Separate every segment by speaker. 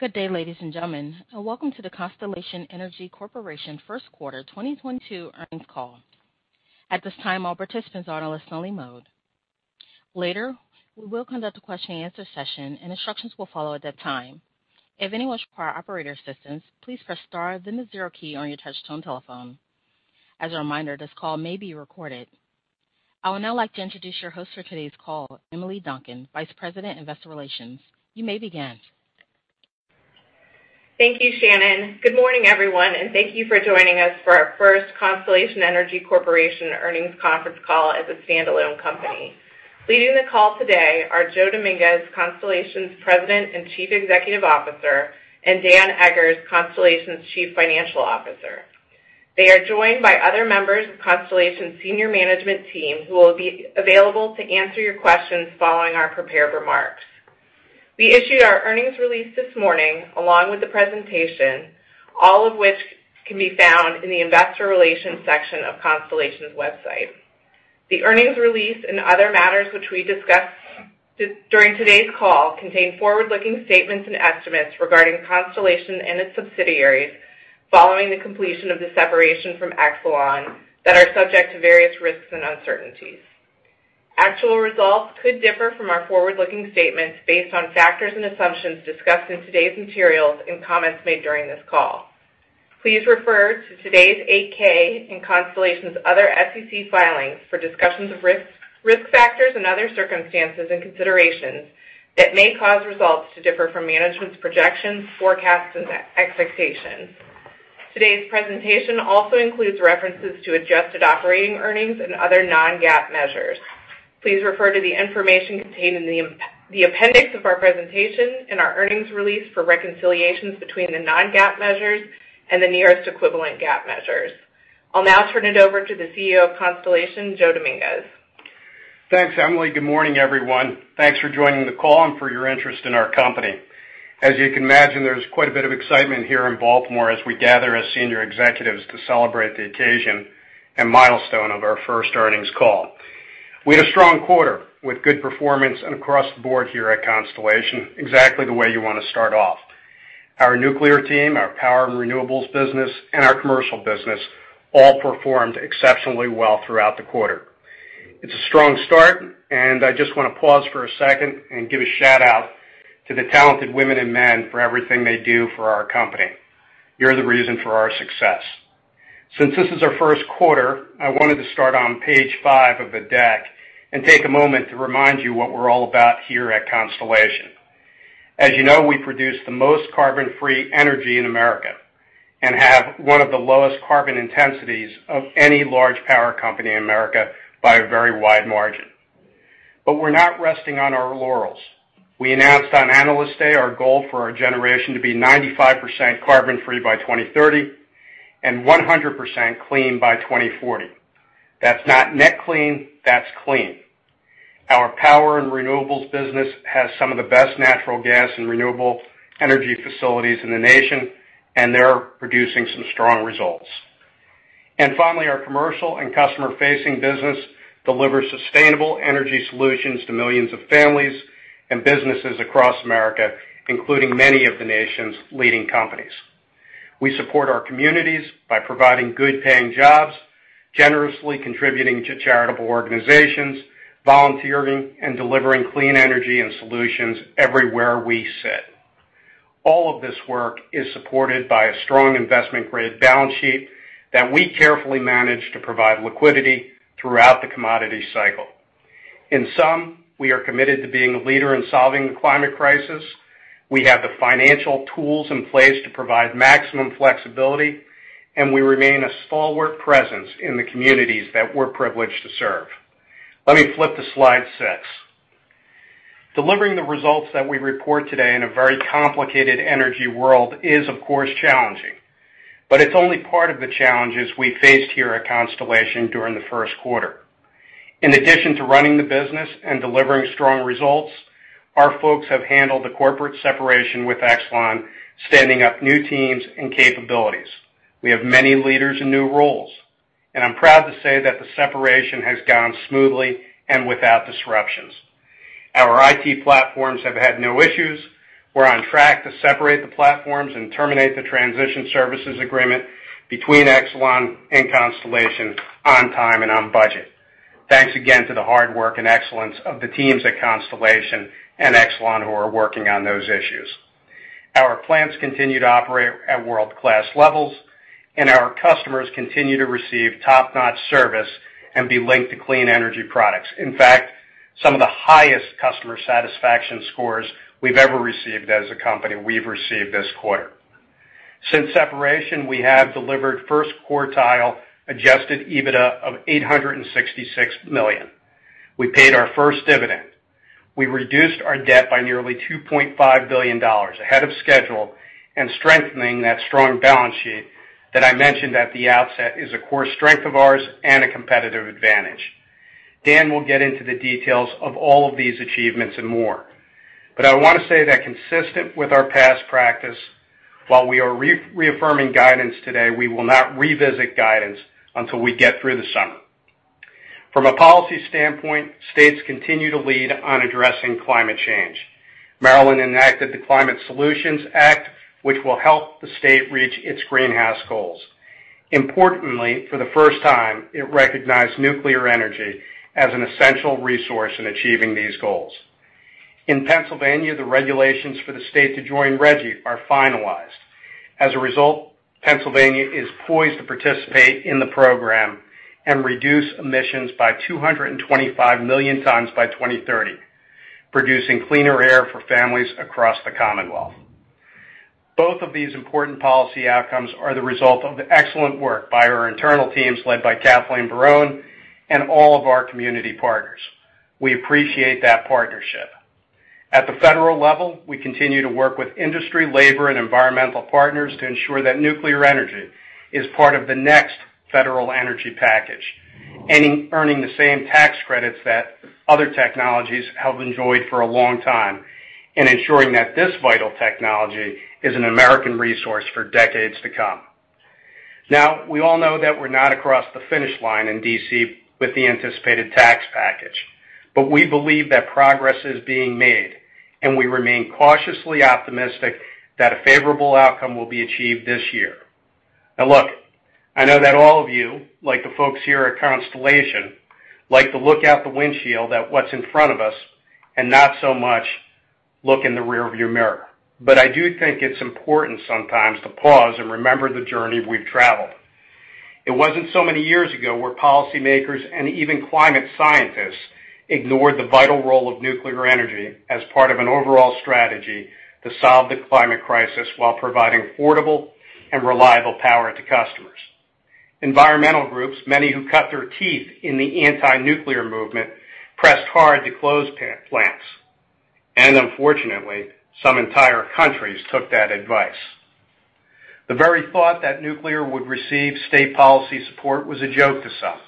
Speaker 1: Good day, ladies and gentlemen, and welcome to the Constellation Energy Corporation first quarter 2022 earnings call. At this time, all participants are on a listen-only mode. Later, we will conduct a question-and-answer session, and instructions will follow at that time. If anyone requires operator assistance, please press star then the zero key on your touch-tone telephone. As a reminder, this call may be recorded. I would now like to introduce your host for today's call, Emily Duncan, Vice President, Investor Relations. You may begin.
Speaker 2: Thank you, Shannon. Good morning, everyone, and thank you for joining us for our first Constellation Energy Corporation earnings conference call as a standalone company. Leading the call today are Joe Dominguez, Constellation's President and Chief Executive Officer, and Dan Eggers, Constellation's Chief Financial Officer. They are joined by other members of Constellation's senior management team who will be available to answer your questions following our prepared remarks. We issued our earnings release this morning, along with the presentation, all of which can be found in the investor relations section of Constellation's website. The earnings release and other matters which we discuss during today's call contain forward-looking statements and estimates regarding Constellation and its subsidiaries following the completion of the separation from Exelon that are subject to various risks and uncertainties. Actual results could differ from our forward-looking statements based on factors and assumptions discussed in today's materials and comments made during this call. Please refer to today's 8-K and Constellation's other SEC filings for discussions of risks, risk factors, and other circumstances and considerations that may cause results to differ from management's projections, forecasts, and expectations. Today's presentation also includes references to adjusted operating earnings and other non-GAAP measures. Please refer to the information contained in the appendix of our presentation and our earnings release for reconciliations between the non-GAAP measures and the nearest equivalent GAAP measures. I'll now turn it over to the CEO of Constellation, Joe Dominguez.
Speaker 3: Thanks, Emily. Good morning, everyone. Thanks for joining the call and for your interest in our company. As you can imagine, there's quite a bit of excitement here in Baltimore as we gather as senior executives to celebrate the occasion and milestone of our first earnings call. We had a strong quarter with good performance across the board here at Constellation, exactly the way you wanna start off. Our nuclear team, our power and renewables business, and our commercial business all performed exceptionally well throughout the quarter. It's a strong start, and I just wanna pause for a second and give a shout-out to the talented women and men for everything they do for our company. You're the reason for our success. Since this is our first quarter, I wanted to start on page five of the deck and take a moment to remind you what we're all about here at Constellation. As you know, we produce the most carbon-free energy in America and have one of the lowest carbon intensities of any large power company in America by a very wide margin. We're not resting on our laurels. We announced on Analyst Day our goal for our generation to be 95% carbon-free by 2030 and 100% clean by 2040. That's not net clean, that's clean. Our power and renewables business has some of the best natural gas and renewable energy facilities in the nation, and they're producing some strong results. Finally, our commercial and customer-facing business delivers sustainable energy solutions to millions of families and businesses across America, including many of the nation's leading companies. We support our communities by providing good-paying jobs, generously contributing to charitable organizations, volunteering, and delivering clean energy and solutions everywhere we sit. All of this work is supported by a strong investment-grade balance sheet that we carefully manage to provide liquidity throughout the commodity cycle. In sum, we are committed to being a leader in solving the climate crisis, we have the financial tools in place to provide maximum flexibility, and we remain a stalwart presence in the communities that we're privileged to serve. Let me flip to slide six. Delivering the results that we report today in a very complicated energy world is, of course, challenging, but it's only part of the challenges we faced here at Constellation during the first quarter. In addition to running the business and delivering strong results, our folks have handled the corporate separation with Exelon, standing up new teams and capabilities. We have many leaders in new roles, and I'm proud to say that the separation has gone smoothly and without disruptions. Our IT platforms have had no issues. We're on track to separate the platforms and terminate the transition services agreement between Exelon and Constellation on time and on budget. Thanks again to the hard work and excellence of the teams at Constellation and Exelon who are working on those issues. Our plants continue to operate at world-class levels, and our customers continue to receive top-notch service and be linked to clean energy products. In fact, some of the highest customer satisfaction scores we've ever received as a company we've received this quarter. Since separation, we have delivered first quartile adjusted EBITDA of $866 million. We paid our first dividend. We reduced our debt by nearly $2.5 billion ahead of schedule and strengthening that strong balance sheet that I mentioned at the outset is a core strength of ours and a competitive advantage. Dan will get into the details of all of these achievements and more. I want to say that consistent with our past practice, while we are reaffirming guidance today, we will not revisit guidance until we get through the summer. From a policy standpoint, states continue to lead on addressing climate change. Maryland enacted the Climate Solutions Act, which will help the state reach its greenhouse goals. Importantly, for the first time, it recognized nuclear energy as an essential resource in achieving these goals. In Pennsylvania, the regulations for the state to join RGGI are finalized. As a result, Pennsylvania is poised to participate in the program and reduce emissions by 225 million tons by 2030, producing cleaner air for families across the Commonwealth. Both of these important policy outcomes are the result of the excellent work by our internal teams led by Kathleen Barrón and all of our community partners. We appreciate that partnership. At the federal level, we continue to work with industry, labor, and environmental partners to ensure that nuclear energy is part of the next federal energy package, and in earning the same tax credits that other technologies have enjoyed for a long time, and ensuring that this vital technology is an American resource for decades to come. Now, we all know that we're not across the finish line in D.C. with the anticipated tax package, but we believe that progress is being made, and we remain cautiously optimistic that a favorable outcome will be achieved this year. Now, look, I know that all of you, like the folks here at Constellation, like to look out the windshield at what's in front of us and not so much look in the rearview mirror. I do think it's important sometimes to pause and remember the journey we've traveled. It wasn't so many years ago where policymakers and even climate scientists ignored the vital role of nuclear energy as part of an overall strategy to solve the climate crisis while providing affordable and reliable power to customers. Environmental groups, many who cut their teeth in the anti-nuclear movement, pressed hard to close plants. Unfortunately, some entire countries took that advice. The very thought that nuclear would receive state policy support was a joke to some.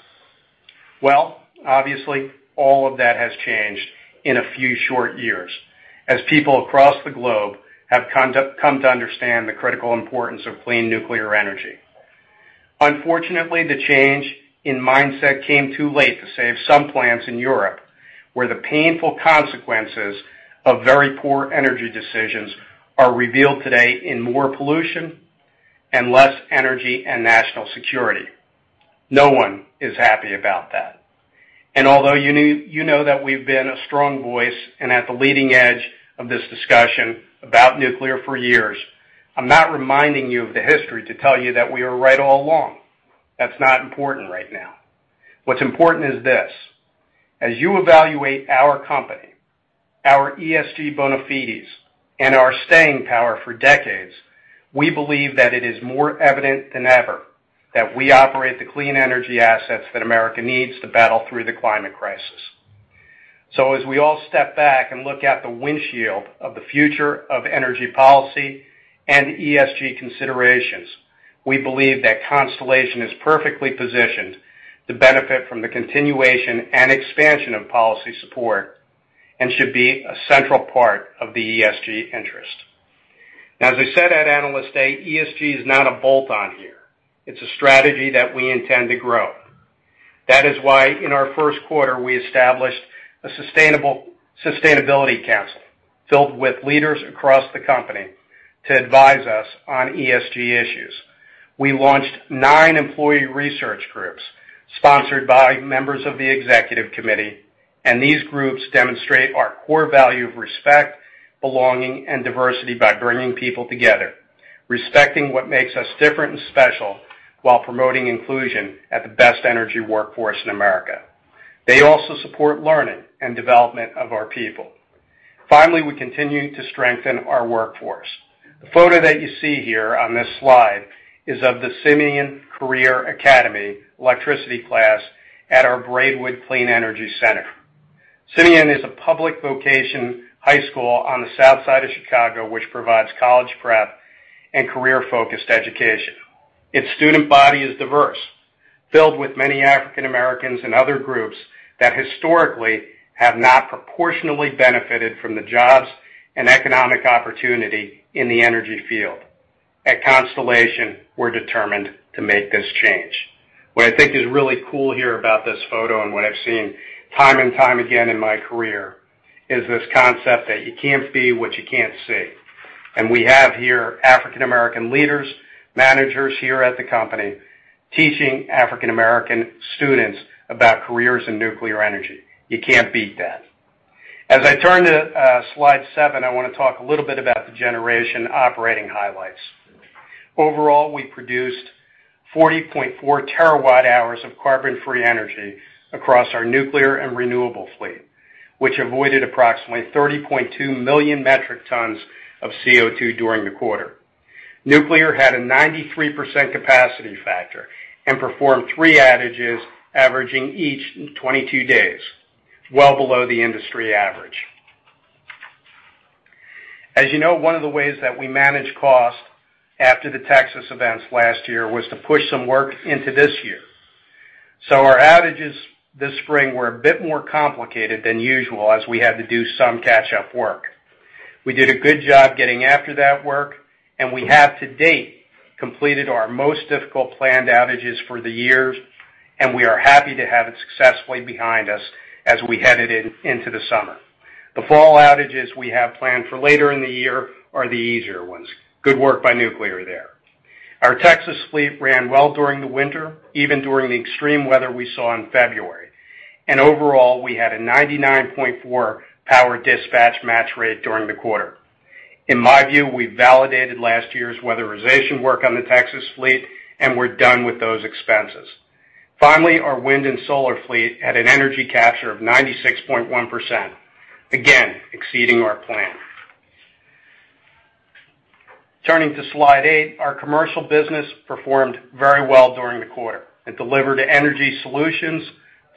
Speaker 3: Well, obviously, all of that has changed in a few short years as people across the globe have come to understand the critical importance of clean nuclear energy. Unfortunately, the change in mindset came too late to save some plants in Europe, where the painful consequences of very poor energy decisions are revealed today in more pollution and less energy and national security. No one is happy about that. Although you know that we've been a strong voice and at the leading edge of this discussion about nuclear for years, I'm not reminding you of the history to tell you that we were right all along. That's not important right now. What's important is this. As you evaluate our company, our ESG bona fides, and our staying power for decades, we believe that it is more evident than ever that we operate the clean energy assets that America needs to battle through the climate crisis. As we all step back and look out the windshield of the future of energy policy and ESG considerations, we believe that Constellation is perfectly positioned to benefit from the continuation and expansion of policy support and should be a central part of the ESG interest. Now, as I said at Analyst Day, ESG is not a bolt-on here. It's a strategy that we intend to grow. That is why, in our first quarter, we established a Sustainability Council filled with leaders across the company to advise us on ESG issues. We launched nine employee resource groups sponsored by members of the executive committee, and these groups demonstrate our core value of respect, belonging, and diversity by bringing people together, respecting what makes us different and special while promoting inclusion at the best energy workforce in America. They also support learning and development of our people. Finally, we continue to strengthen our workforce. The photo that you see here on this slide is of the Simeon Career Academy electricity class at our Braidwood Clean Energy Center. Simeon is a public vocational high school on the South Side of Chicago, which provides college prep and career-focused education. Its student body is diverse, filled with many African Americans and other groups that historically have not proportionally benefited from the jobs and economic opportunity in the energy field. At Constellation, we're determined to make this change. What I think is really cool here about this photo and what I've seen time and time again in my career is this concept that you can't be what you can't see. We have here African American leaders, managers here at the company teaching African American students about careers in nuclear energy. You can't beat that. As I turn to slide seven, I wanna talk a little bit about the generation operating highlights. Overall, we produced 40.4 TWh of carbon-free energy across our nuclear and renewable fleet, which avoided approximately 30.2 million metric tons of CO2 during the quarter. Nuclear had a 93% capacity factor and performed three outages averaging each 22 days, well below the industry average. As you know, one of the ways that we manage cost after the Texas events last year was to push some work into this year. Our outages this spring were a bit more complicated than usual as we had to do some catch-up work. We did a good job getting after that work, and we have to date completed our most difficult planned outages for the years, and we are happy to have it successfully behind us as we headed into the summer. The fall outages we have planned for later in the year are the easier ones. Good work by nuclear there. Our Texas fleet ran well during the winter, even during the extreme weather we saw in February. Overall, we had a 99.4% power dispatch match rate during the quarter. In my view, we validated last year's weatherization work on the Texas fleet, and we're done with those expenses. Finally, our wind and solar fleet had an energy capture of 96.1%, again, exceeding our plan. Turning to slide eight, our commercial business performed very well during the quarter. It delivered energy solutions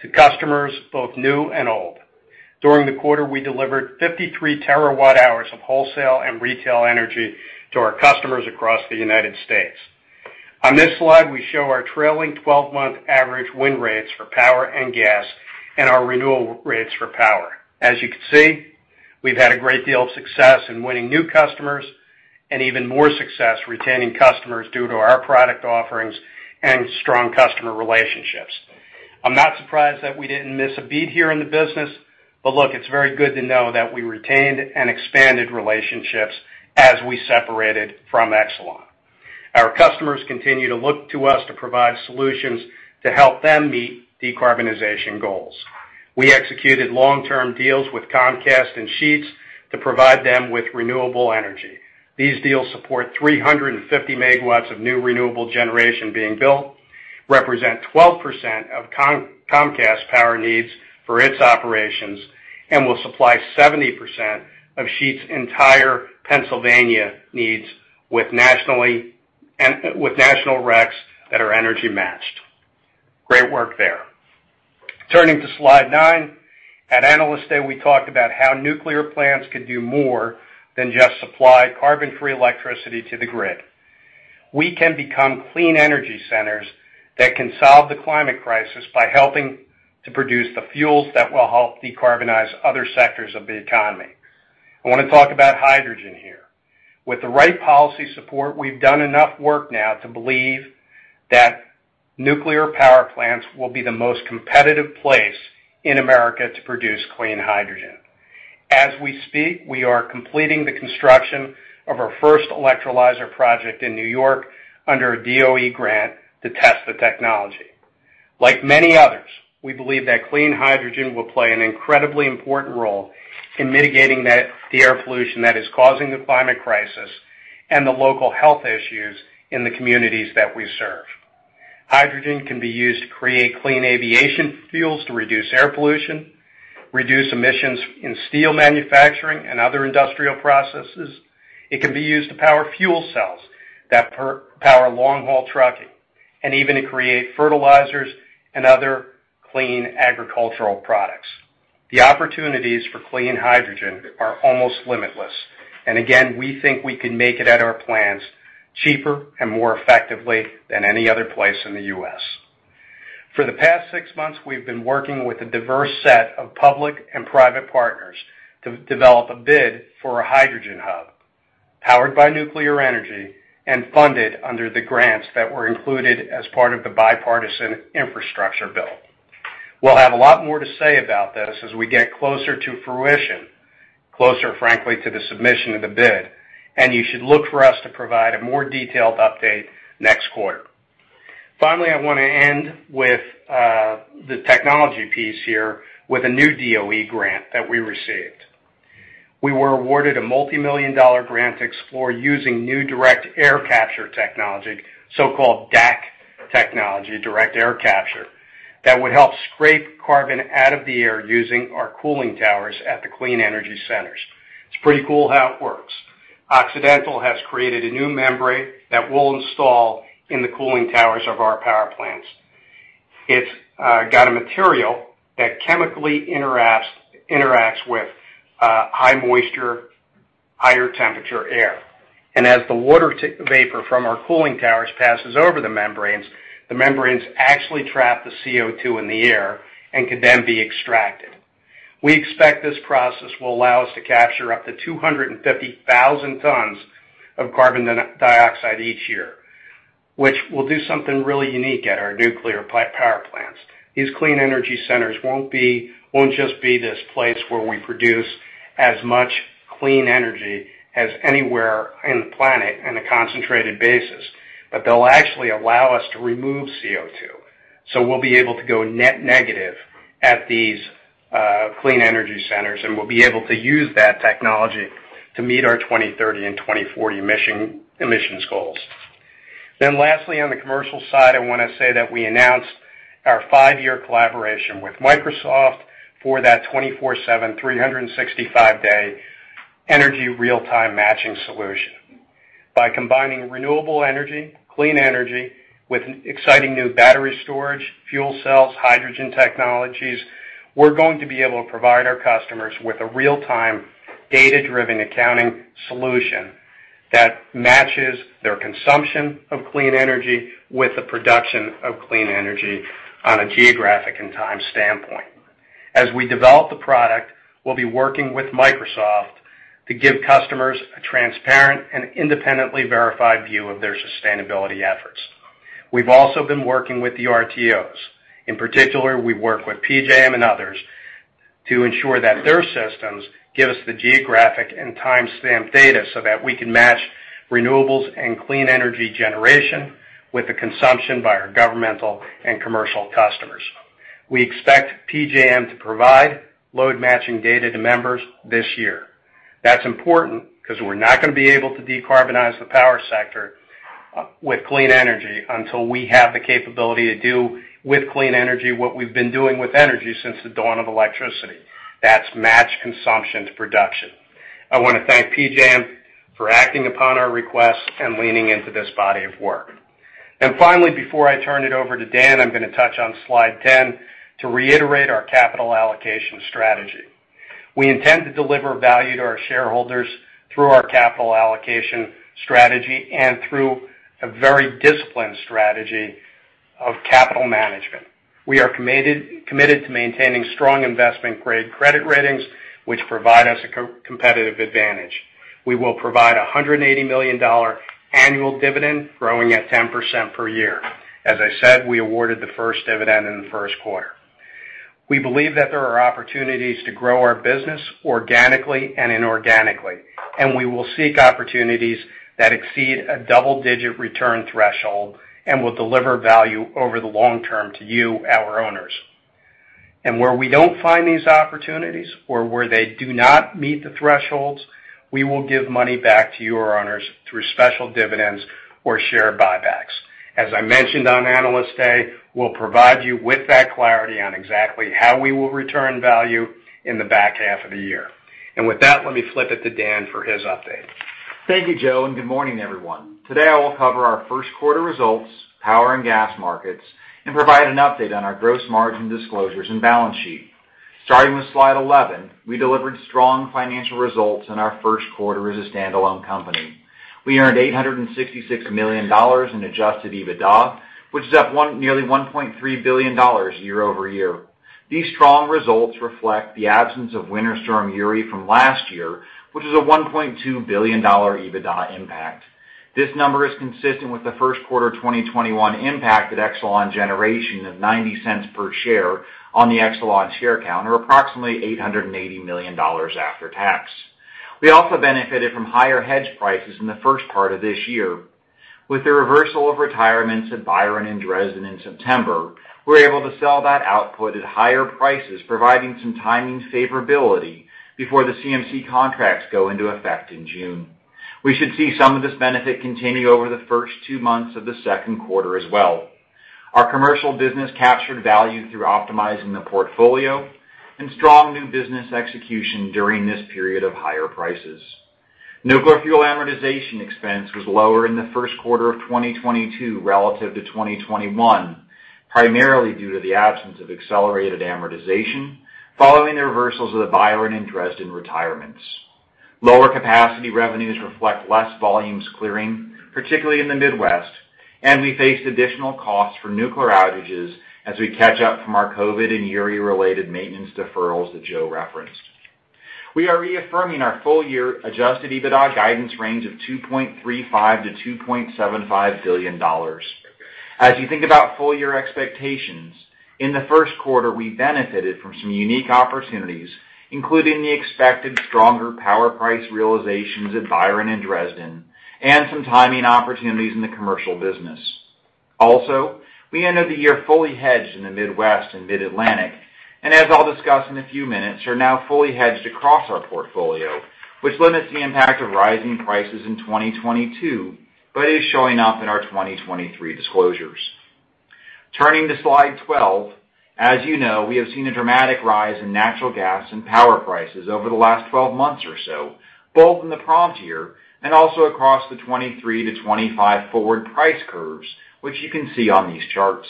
Speaker 3: to customers both new and old. During the quarter, we delivered 53 TWh of wholesale and retail energy to our customers across the United States. On this slide, we show our trailing 12-month average win rates for power and gas and our renewal rates for power. As you can see, we've had a great deal of success in winning new customers and even more success retaining customers due to our product offerings and strong customer relationships. I'm not surprised that we didn't miss a beat here in the business. Look, it's very good to know that we retained and expanded relationships as we separated from Exelon. Our customers continue to look to us to provide solutions to help them meet decarbonization goals. We executed long-term deals with Comcast and Sheetz to provide them with renewable energy. These deals support 350 MW of new renewable generation being built, represent 12% of Comcast power needs for its operations, and will supply 70% of Sheetz's entire Pennsylvania needs with national RECs that are energy matched. Great work there. Turning to slide nine, at Analyst Day, we talked about how nuclear plants could do more than just supply carbon-free electricity to the grid. We can become clean energy centers that can solve the climate crisis by helping to produce the fuels that will help decarbonize other sectors of the economy. I want to talk about hydrogen here. With the right policy support, we've done enough work now to believe that nuclear power plants will be the most competitive place in America to produce clean hydrogen. As we speak, we are completing the construction of our first electrolyzer project in New York under a DOE grant to test the technology. Like many others, we believe that clean hydrogen will play an incredibly important role in mitigating that, the air pollution that is causing the climate crisis and the local health issues in the communities that we serve. Hydrogen can be used to create clean aviation fuels to reduce air pollution, reduce emissions in steel manufacturing and other industrial processes. It can be used to power fuel cells that power long-haul trucking and even to create fertilizers and other clean agricultural products. The opportunities for clean hydrogen are almost limitless. We think we can make it at our plants cheaper and more effectively than any other place in the U.S. For the past six months, we've been working with a diverse set of public and private partners to develop a bid for a hydrogen hub powered by nuclear energy and funded under the grants that were included as part of the bipartisan infrastructure bill. We'll have a lot more to say about this as we get closer to fruition, closer, frankly, to the submission of the bid, and you should look for us to provide a more detailed update next quarter. Finally, I wanna end with the technology piece here with a new DOE grant that we received. We were awarded a multimillion-dollar grant to explore using new direct air capture technology, so-called DAC technology, direct air capture, that would help scrape carbon out of the air using our cooling towers at the clean energy centers. It's pretty cool how it works. Occidental has created a new membrane that we'll install in the cooling towers of our power plants. It's got a material that chemically interacts with high moisture, higher temperature air. As the water vapor from our cooling towers passes over the membranes, the membranes actually trap the CO2 in the air and can then be extracted. We expect this process will allow us to capture up to 250,000 tons of carbon dioxide each year, which will do something really unique at our nuclear power plants. These clean energy centers won't be just this place where we produce as much clean energy as anywhere in the planet in a concentrated basis, but they'll actually allow us to remove CO2. We'll be able to go net negative at these clean energy centers, and we'll be able to use that technology to meet our 2030 and 2040 emissions goals. Lastly, on the commercial side, I wanna say that we announced our five-year collaboration with Microsoft for that 24/7, 365-day energy real-time matching solution. By combining renewable energy, clean energy with exciting new battery storage, fuel cells, hydrogen technologies, we're going to be able to provide our customers with a real-time, data-driven accounting solution that matches their consumption of clean energy with the production of clean energy on a geographic and time standpoint. As we develop the product, we'll be working with Microsoft to give customers a transparent and independently verified view of their sustainability efforts. We've also been working with the RTOs. In particular, we work with PJM and others to ensure that their systems give us the geographic and timestamped data, so that we can match renewables and clean energy generation with the consumption by our governmental and commercial customers. We expect PJM to provide load matching data to members this year. That's important 'cause we're not gonna be able to decarbonize the power sector with clean energy until we have the capability to do with clean energy what we've been doing with energy since the dawn of electricity. That's match consumption to production. I wanna thank PJM for acting upon our request and leaning into this body of work. Finally, before I turn it over to Dan, I'm gonna touch on slide 10 to reiterate our capital allocation strategy. We intend to deliver value to our shareholders through our capital allocation strategy and through a very disciplined strategy of capital management. We are committed to maintaining strong investment-grade credit ratings, which provide us a competitive advantage. We will provide a $180 million annual dividend growing at 10% per year. As I said, we awarded the first dividend in the first quarter. We believe that there are opportunities to grow our business organically and inorganically, and we will seek opportunities that exceed a double-digit return threshold and will deliver value over the long-term to you, our owners. Where we don't find these opportunities or where they do not meet the thresholds, we will give money back to you, our owners, through special dividends or share buybacks. As I mentioned on Analyst Day, we'll provide you with that clarity on exactly how we will return value in the back half of the year. With that, let me flip it to Dan for his update.
Speaker 4: Thank you, Joe, and good morning, everyone. Today, I will cover our first quarter results, power and gas markets, and provide an update on our gross margin disclosures and balance sheet. Starting with slide 11, we delivered strong financial results in our first quarter as a standalone company. We earned $866 million in adjusted EBITDA, which is up nearly $1.3 billion year-over-year. These strong results reflect the absence of Winter Storm Uri from last year, which is a $1.2 billion EBITDA impact. This number is consistent with the first quarter of 2021 impact at Exelon Generation of $0.90 per share on the Exelon share count or approximately $880 million after tax. We also benefited from higher hedge prices in the first part of this year. With the reversal of retirements at Byron and Dresden in September, we were able to sell that output at higher prices, providing some timing favorability before the CMC contracts go into effect in June. We should see some of this benefit continue over the first two months of the second quarter as well. Our commercial business captured value through optimizing the portfolio and strong new business execution during this period of higher prices. Nuclear fuel amortization expense was lower in the first quarter of 2022 relative to 2021, primarily due to the absence of accelerated amortization following the reversals of the Byron and Dresden retirements. Lower capacity revenues reflect less volumes clearing, particularly in the Midwest, and we faced additional costs for nuclear outages as we catch up from our COVID and Uri-related maintenance deferrals that Joe referenced. We are reaffirming our full year adjusted EBITDA guidance range of $2.35 billion-$2.75 billion. As you think about full year expectations, in the first quarter, we benefited from some unique opportunities, including the expected stronger power price realizations at Byron and Dresden and some timing opportunities in the commercial business. Also, we ended the year fully hedged in the Midwest and Mid-Atlantic, and as I'll discuss in a few minutes, are now fully hedged across our portfolio, which limits the impact of rising prices in 2022, but is showing up in our 2023 disclosures. Turning to slide 12, as you know, we have seen a dramatic rise in natural gas and power prices over the last 12 months or so, both in the prompt year and also across the 2023-2025 forward price curves, which you can see on these charts.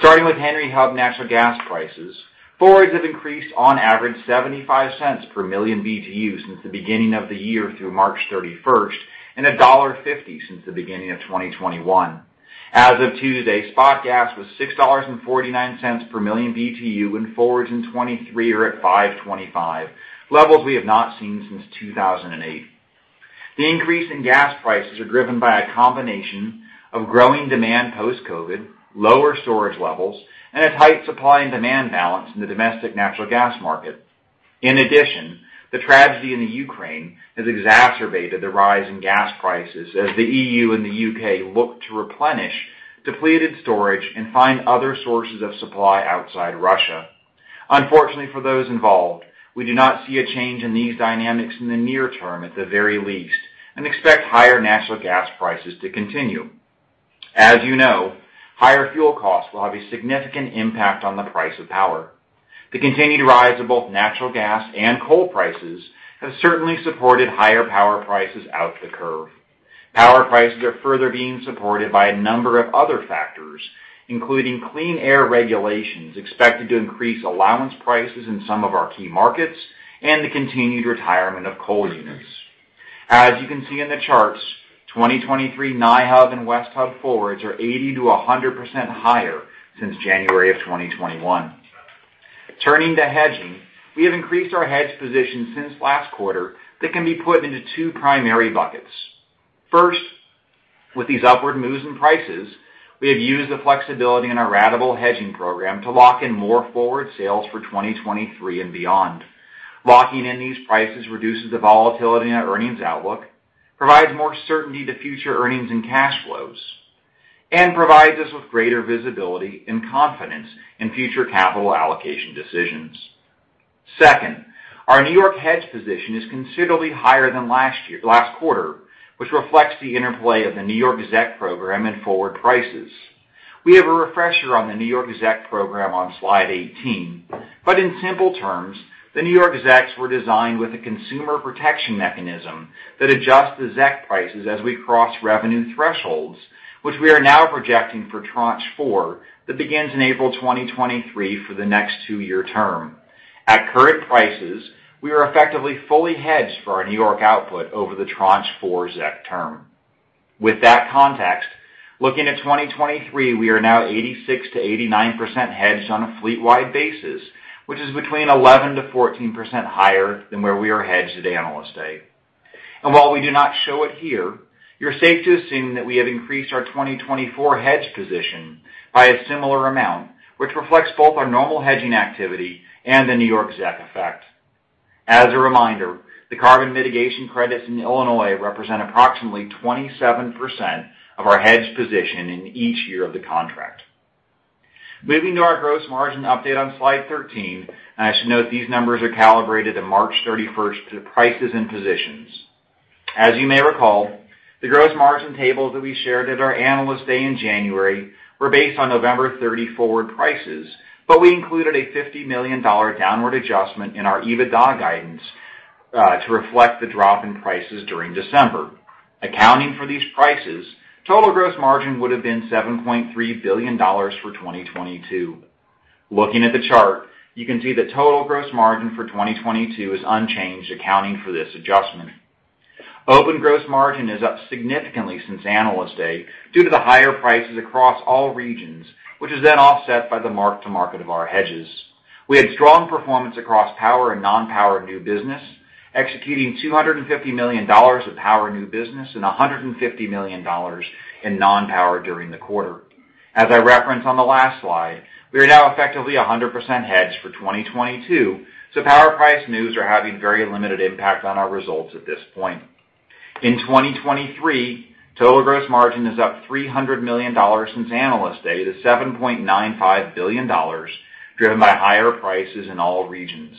Speaker 4: Starting with Henry Hub natural gas prices, forwards have increased on average $0.75 per million BTU since the beginning of the year through March 31 and $1.50 since the beginning of 2021. As of Tuesday, spot gas was $6.49 per million BTU, and forwards in 2023 are at $5.25, levels we have not seen since 2008. The increase in gas prices are driven by a combination of growing demand post-COVID, lower storage levels, and a tight supply and demand balance in the domestic natural gas market. In addition, the tragedy in the Ukraine has exacerbated the rise in gas prices as the EU and the U.K. look to replenish depleted storage and find other sources of supply outside Russia. Unfortunately for those involved, we do not see a change in these dynamics in the near-term, at the very least, and expect higher natural gas prices to continue. As you know, higher fuel costs will have a significant impact on the price of power. The continued rise of both natural gas and coal prices has certainly supported higher power prices out of the curve. Power prices are further being supported by a number of other factors, including clean air regulations expected to increase allowance prices in some of our key markets and the continued retirement of coal units. As you can see in the charts, 2023 NiHub and West Hub forwards are 80%-100% higher since January of 2021. Turning to hedging, we have increased our hedge position since last quarter that can be put into two primary buckets. First, with these upward moves in prices, we have used the flexibility in our ratable hedging program to lock in more forward sales for 2023 and beyond. Locking in these prices reduces the volatility in our earnings outlook, provides more certainty to future earnings and cash flows, and provides us with greater visibility and confidence in future capital allocation decisions. Second, our New York hedge position is considerably higher than last quarter, which reflects the interplay of the New York ZEC program and forward prices. We have a refresher on the New York ZEC program on slide 18. In simple terms, the New York ZECs were designed with a consumer protection mechanism that adjusts the ZEC prices as we cross revenue thresholds, which we are now projecting for tranche four that begins in April 2023 for the next two-year term. At current prices, we are effectively fully hedged for our New York output over the tranche four ZEC term. With that context, looking at 2023, we are now 86%-89% hedged on a fleet-wide basis, which is between 11%-14% higher than where we are hedged at Analyst Day. While we do not show it here, you're safe to assume that we have increased our 2024 hedge position by a similar amount, which reflects both our normal hedging activity and the New York ZEC effect. As a reminder, the carbon mitigation credits in Illinois represent approximately 27% of our hedged position in each year of the contract. Moving to our gross margin update on slide 13, and I should note these numbers are calibrated to March 31st to the prices and positions. As you may recall, the gross margin tables that we shared at our Analyst Day in January were based on November 30 forward prices, but we included a $50 million downward adjustment in our EBITDA guidance to reflect the drop in prices during December. Accounting for these prices, total gross margin would have been $7.3 billion for 2022. Looking at the chart, you can see the total gross margin for 2022 is unchanged accounting for this adjustment. Open gross margin is up significantly since Analyst Day due to the higher prices across all regions, which is then offset by the mark-to-market of our hedges. We had strong performance across power and non-power new business, executing $250 million of power new business and $150 million in non-power during the quarter. As I referenced on the last slide, we are now effectively 100% hedged for 2022, so power price moves are having very limited impact on our results at this point. In 2023, total gross margin is up $300 million since Analyst Day to $7.95 billion, driven by higher prices in all regions.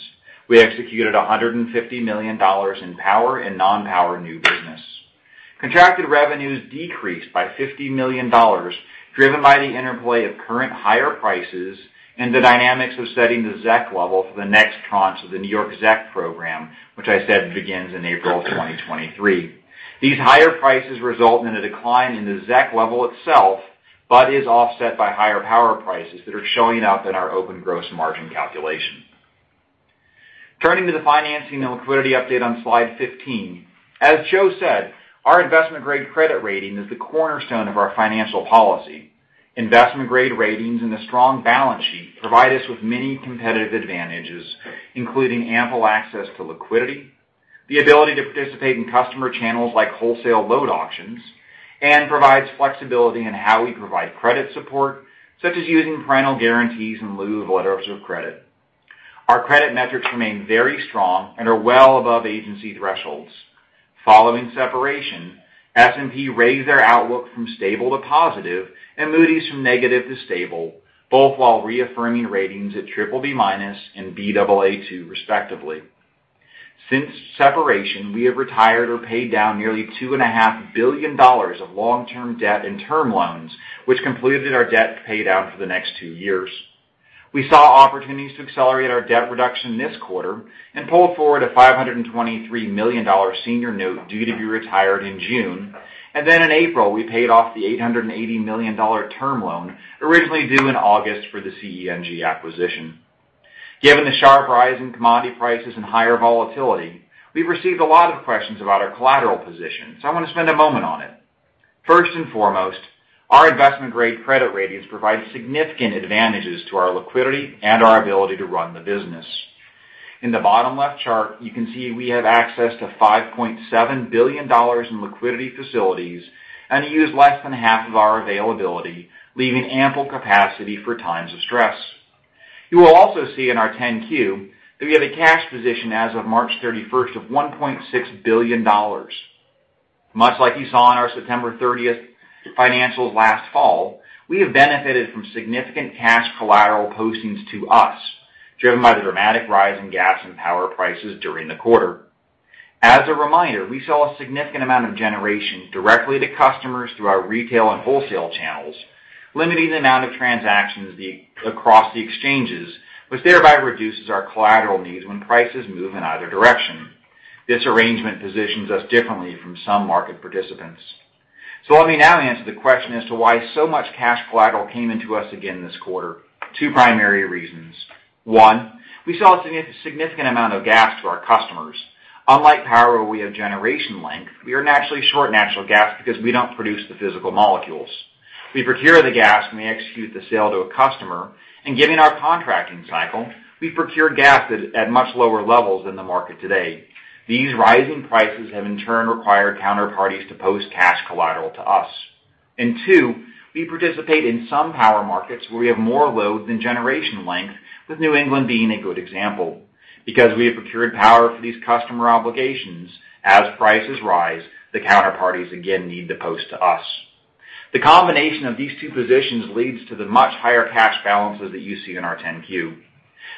Speaker 4: We executed $150 million in power and non-power new business. Contracted revenues decreased by $50 million, driven by the interplay of current higher prices and the dynamics of setting the ZEC level for the next tranche of the New York ZEC program, which I said begins in April 2023. These higher prices result in a decline in the ZEC level itself, but is offset by higher power prices that are showing up in our open gross margin calculation. Turning to the financing and liquidity update on slide 15. As Joe said, our investment-grade credit rating is the cornerstone of our financial policy. Investment-grade ratings and a strong balance sheet provide us with many competitive advantages, including ample access to liquidity, the ability to participate in customer channels like wholesale load auctions, and provides flexibility in how we provide credit support, such as using parental guarantees in lieu of letters of credit. Our credit metrics remain very strong and are well above agency thresholds. Following separation, S&P raised their outlook from stable to positive, and Moody's from negative to stable, both while reaffirming ratings at BBB- and Baa2 respectively. Since separation, we have retired or paid down nearly $2.5 billion of long-term debt and term loans, which completed our debt pay down for the next two years. We saw opportunities to accelerate our debt reduction this quarter and pulled forward a $523 million senior note due to be retired in June. Then in April, we paid off the $880 million term loan originally due in August for the CENG acquisition. Given the sharp rise in commodity prices and higher volatility, we've received a lot of questions about our collateral position, so I want to spend a moment on it. First and foremost, our investment-grade credit ratings provide significant advantages to our liquidity and our ability to run the business. In the bottom left chart, you can see we have access to $5.7 billion in liquidity facilities and use less than half of our availability, leaving ample capacity for times of stress. You will also see in our 10-Q that we have a cash position as of March 31 of $1.6 billion. Much like you saw in our September 30 financials last fall, we have benefited from significant cash collateral postings to us, driven by the dramatic rise in gas and power prices during the quarter. As a reminder, we sell a significant amount of generation directly to customers through our retail and wholesale channels. Limiting the amount of transactions across the exchanges, which thereby reduces our collateral needs when prices move in either direction. This arrangement positions us differently from some market participants. Let me now answer the question as to why so much cash collateral came into us again this quarter. Two primary reasons. One, we sell a significant amount of gas to our customers. Unlike power, where we have generation length, we are naturally short natural gas because we don't produce the physical molecules. We procure the gas when we execute the sale to a customer. Given our contracting cycle, we procure gas at much lower levels than the market today. These rising prices have in turn required counterparties to post cash collateral to us. Two, we participate in some power markets where we have more load than generation, with New England being a good example. Because we have procured power for these customer obligations, as prices rise, the counterparties again need to post to us. The combination of these two positions leads to the much higher cash balances that you see in our 10-Q.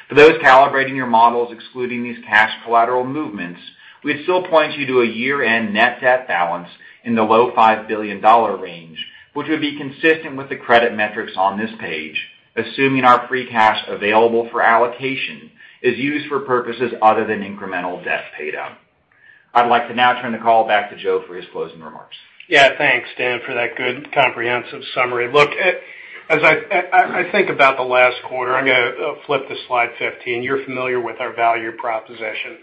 Speaker 4: For those calibrating your models excluding these cash collateral movements, we'd still point you to a year-end net debt balance in the low $5 billion range, which would be consistent with the credit metrics on this page, assuming our free cash available for allocation is used for purposes other than incremental debt paid down. I'd like to now turn the call back to Joe for his closing remarks.
Speaker 3: Yeah. Thanks, Dan, for that good comprehensive summary. Look, as I think about the last quarter, I'm gonna flip to slide 15. You're familiar with our value proposition,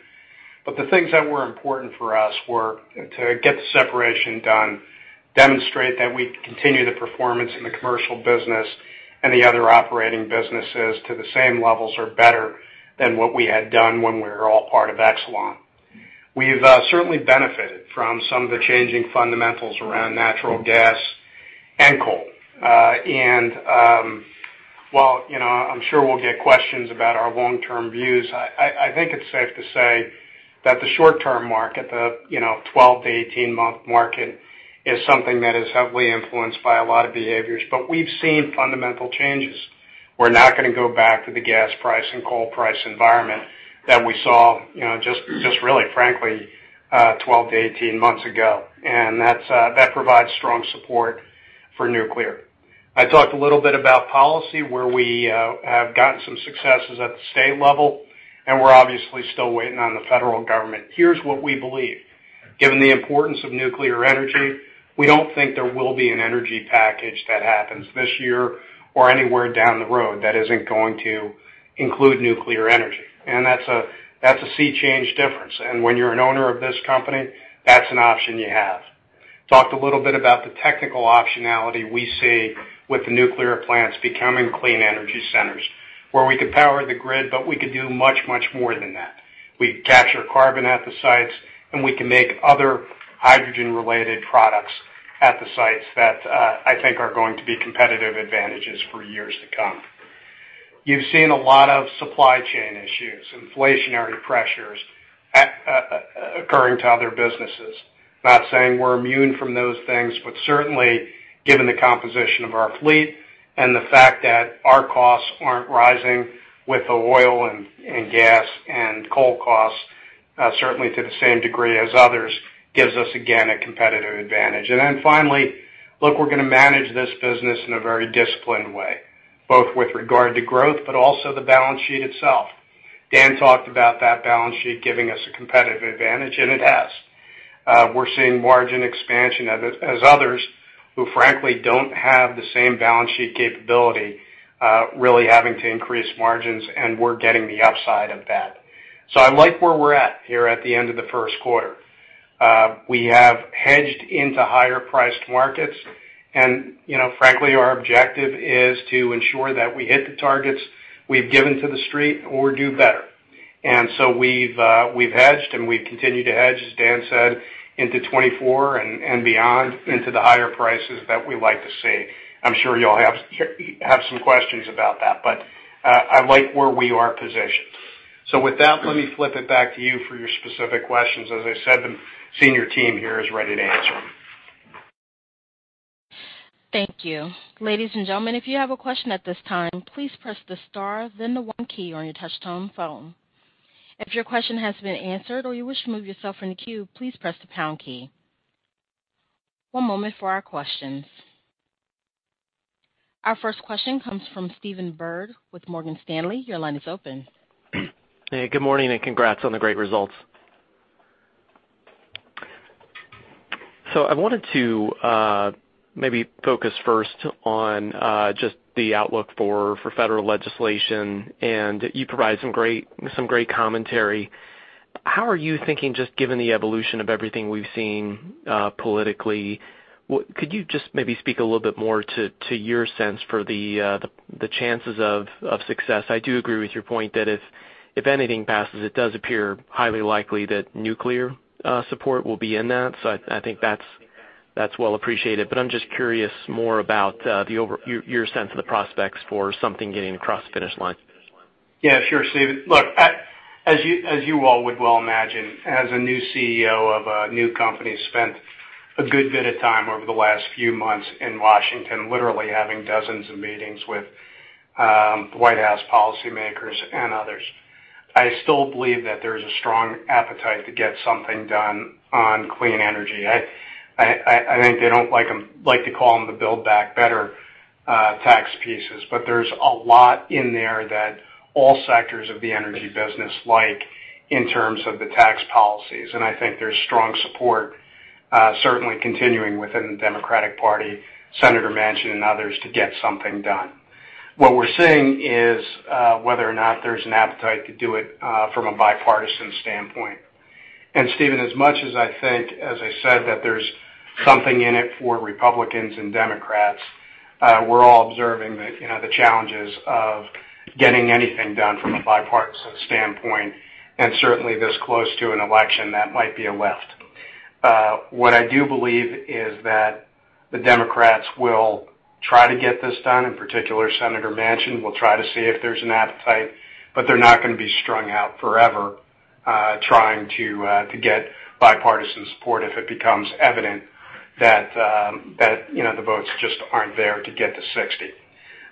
Speaker 3: but the things that were important for us were to get the separation done, demonstrate that we continue the performance in the commercial business and the other operating businesses to the same levels or better than what we had done when we were all part of Exelon. We've certainly benefited from some of the changing fundamentals around natural gas and coal. While, you know, I'm sure we'll get questions about our long-term views, I think it's safe to say that the short-term market, the, you know, 12-18-month market is something that is heavily influenced by a lot of behaviors. We've seen fundamental changes. We're not gonna go back to the gas price and coal price environment that we saw, you know, just really frankly, 12-18 months ago. That's that provides strong support for nuclear. I talked a little bit about policy, where we have gotten some successes at the state level, and we're obviously still waiting on the federal government. Here's what we believe. Given the importance of nuclear energy, we don't think there will be an energy package that happens this year or anywhere down the road that isn't going to include nuclear energy. That's a sea change difference. When you're an owner of this company, that's an option you have. Talked a little bit about the technical optionality we see with the nuclear plants becoming clean energy centers, where we could power the grid, but we could do much, much more than that. We capture carbon at the sites, and we can make other hydrogen-related products at the sites that I think are going to be competitive advantages for years to come. You've seen a lot of supply chain issues, inflationary pressures accruing to other businesses. Not saying we're immune from those things, but certainly, given the composition of our fleet and the fact that our costs aren't rising with the oil and gas and coal costs, certainly to the same degree as others, gives us, again, a competitive advantage. Finally, look, we're gonna manage this business in a very disciplined way, both with regard to growth, but also the balance sheet itself. Dan talked about that balance sheet giving us a competitive advantage, and it has. We're seeing margin expansion as others who frankly don't have the same balance sheet capability really having to increase margins, and we're getting the upside of that. I like where we're at here at the end of the first quarter. We have hedged into higher priced markets, and, you know, frankly, our objective is to ensure that we hit the targets we've given to the street or do better. We've hedged and we've continued to hedge, as Dan said, into 2024 and beyond into the higher prices that we like to see. I'm sure you all have some questions about that, but I like where we are positioned. With that, let me flip it back to you for your specific questions. As I said, the senior team here is ready to answer them.
Speaker 1: Thank you. Ladies and gentlemen, if you have a question at this time, please press the star, then the one key on your touch-tone phone. If your question has been answered or you wish to remove yourself from the queue, please press the pound key. One moment for our questions. Our first question comes from Stephen Byrd with Morgan Stanley. Your line is open.
Speaker 5: Hey, good morning, and congrats on the great results. I wanted to maybe focus first on just the outlook for federal legislation, and you provided some great commentary. How are you thinking just given the evolution of everything we've seen politically? Could you just maybe speak a little bit more to your sense for the chances of success? I do agree with your point that if anything passes, it does appear highly likely that nuclear support will be in that. I think that's well appreciated. But I'm just curious more about your sense of the prospects for something getting across the finish line.
Speaker 3: Yeah, sure, Stephen. Look, as you all would well imagine, as a new CEO of a new company, I spent a good bit of time over the last few months in Washington, literally having dozens of meetings with the White House policymakers and others. I still believe that there's a strong appetite to get something done on clean energy. I think they don't like to call them the Build Back Better tax pieces, but there's a lot in there that all sectors of the energy business like in terms of the tax policies. I think there's strong support certainly continuing within the Democratic Party, Senator Manchin, and others to get something done. What we're seeing is whether or not there's an appetite to do it from a bipartisan standpoint. Stephen, as much as I think, as I said, that there's something in it for Republicans and Democrats, we're all observing the, you know, the challenges of getting anything done from a bipartisan standpoint. Certainly, this close to an election, that might be a lift. What I do believe is that the Democrats will try to get this done. In particular, Senator Manchin will try to see if there's an appetite, but they're not gonna be strung out forever, trying to get bipartisan support if it becomes evident that, you know, the votes just aren't there to get to 60.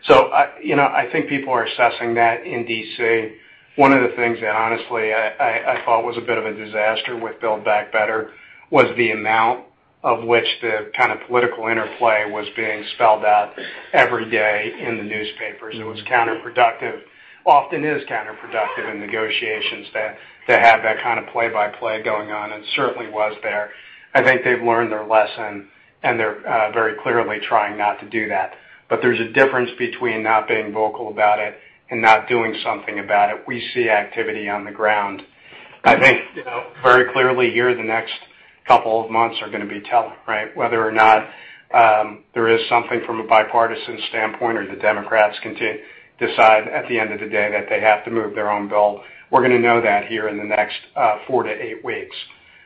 Speaker 3: I, you know, I think people are assessing that in D.C. One of the things that honestly I thought was a bit of a disaster with Build Back Better was the amount of which the kind of political interplay was being spelled out every day in the newspapers. It was counterproductive. It often is counterproductive in negotiations to have that kind of play-by-play going on, and it certainly was there. I think they've learned their lesson, and they're very clearly trying not to do that. There's a difference between not being vocal about it and not doing something about it. We see activity on the ground. I think, you know, very clearly here, the next couple of months are gonna be telling, right? Whether or not there is something from a bipartisan standpoint or the Democrats decide at the end of the day that they have to move their own bill. We're gonna know that here in the next four to eight weeks.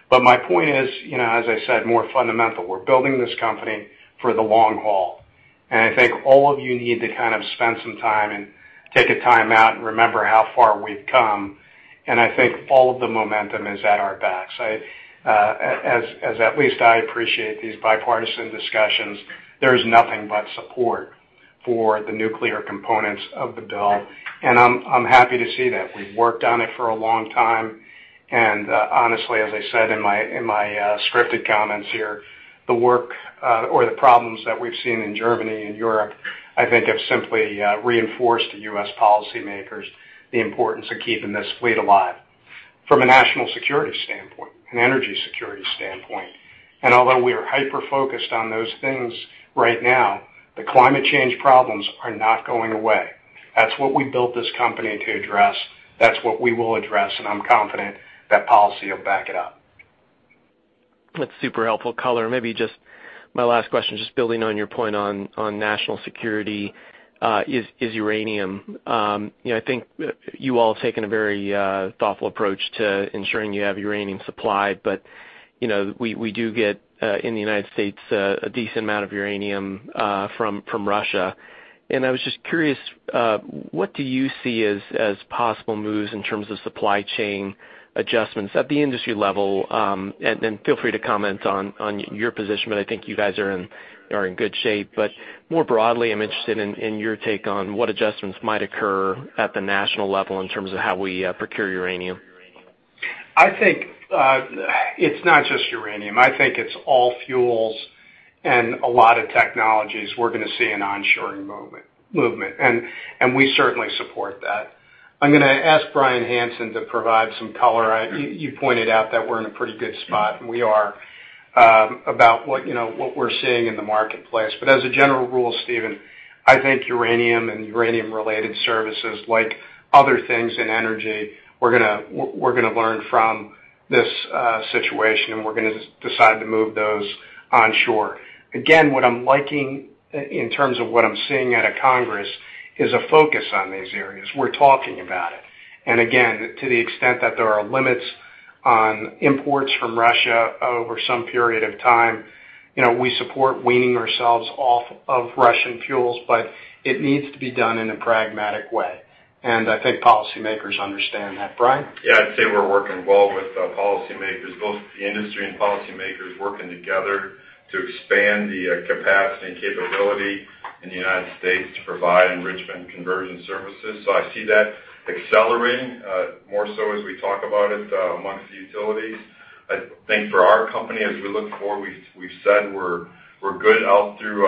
Speaker 3: My point is, you know, as I said, more fundamental. We're building this company for the long haul, and I think all of you need to kind of spend some time and take a time out and remember how far we've come. I think all of the momentum is at our backs. As at least I appreciate these bipartisan discussions, there is nothing but support for the nuclear components of the bill, and I'm happy to see that. We've worked on it for a long time, and honestly, as I said in my scripted comments here, the problems that we've seen in Germany and Europe I think have simply reinforced U.S. policymakers the importance of keeping this fleet alive from a national security standpoint and energy security standpoint. Although we are hyper-focused on those things right now, the climate change problems are not going away. That's what we built this company to address. That's what we will address, and I'm confident that policy will back it up.
Speaker 5: That's super helpful color. Maybe just my last question, just building on your point on national security, is uranium. You know, I think you all have taken a very thoughtful approach to ensuring you have uranium supply, but you know, we do get, in the United States, a decent amount of uranium from Russia. I was just curious what do you see as possible moves in terms of supply chain adjustments at the industry level? Then feel free to comment on your position, but I think you guys are in good shape. More broadly, I'm interested in your take on what adjustments might occur at the national level in terms of how we procure uranium.
Speaker 3: I think it's not just uranium. I think it's all fuels and a lot of technologies. We're gonna see an onshoring movement, and we certainly support that. I'm gonna ask Bryan Hanson to provide some color. You pointed out that we're in a pretty good spot, and we are, about what, you know, what we're seeing in the marketplace. But as a general rule, Stephen, I think uranium and uranium-related services, like other things in energy, we're gonna learn from this situation, and we're gonna decide to move those onshore. Again, what I'm liking in terms of what I'm seeing out of Congress is a focus on these areas. We're talking about it. Again, to the extent that there are limits on imports from Russia over some period of time, you know, we support weaning ourselves off of Russian fuels, but it needs to be done in a pragmatic way. I think policymakers understand that. Bryan?
Speaker 6: Yeah. I'd say we're working well with policymakers, both the industry and policymakers working together to expand the capacity and capability in the United States to provide enrichment conversion services. I see that accelerating more so as we talk about it amongst the utilities. I think for our company, as we look forward, we've said we're good out through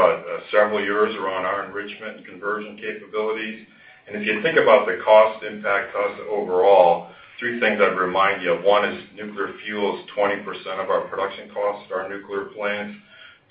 Speaker 6: several years around our enrichment and conversion capabilities. If you think about the cost impact to us overall, three things I'd remind you of. One is nuclear fuel is 20% of our production costs for our nuclear plants.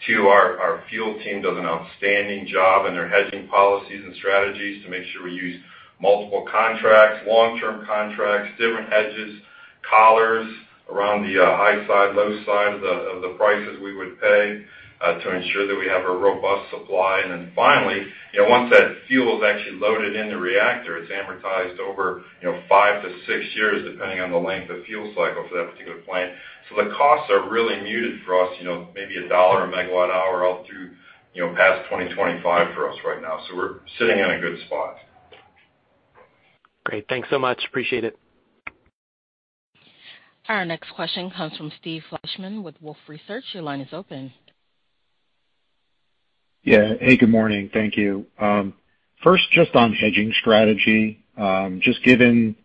Speaker 6: Two, our fuel team does an outstanding job in their hedging policies and strategies to make sure we use multiple contracts, long-term contracts, different hedges, collars around the high side, low side of the prices we would pay to ensure that we have a robust supply. Then finally, you know, once that fuel is actually loaded in the reactor, it's amortized over, you know, five to six years, depending on the length of fuel cycle for that particular plant. The costs are really muted for us, you know, maybe $1 a megawatt hour up through, you know, past 2025 for us right now. We're sitting in a good spot.
Speaker 5: Great. Thanks so much. Appreciate it.
Speaker 1: Our next question comes from Steve Fleishman with Wolfe Research. Your line is open.
Speaker 7: Yeah. Hey, good morning. Thank you. First, just on hedging strategy, just given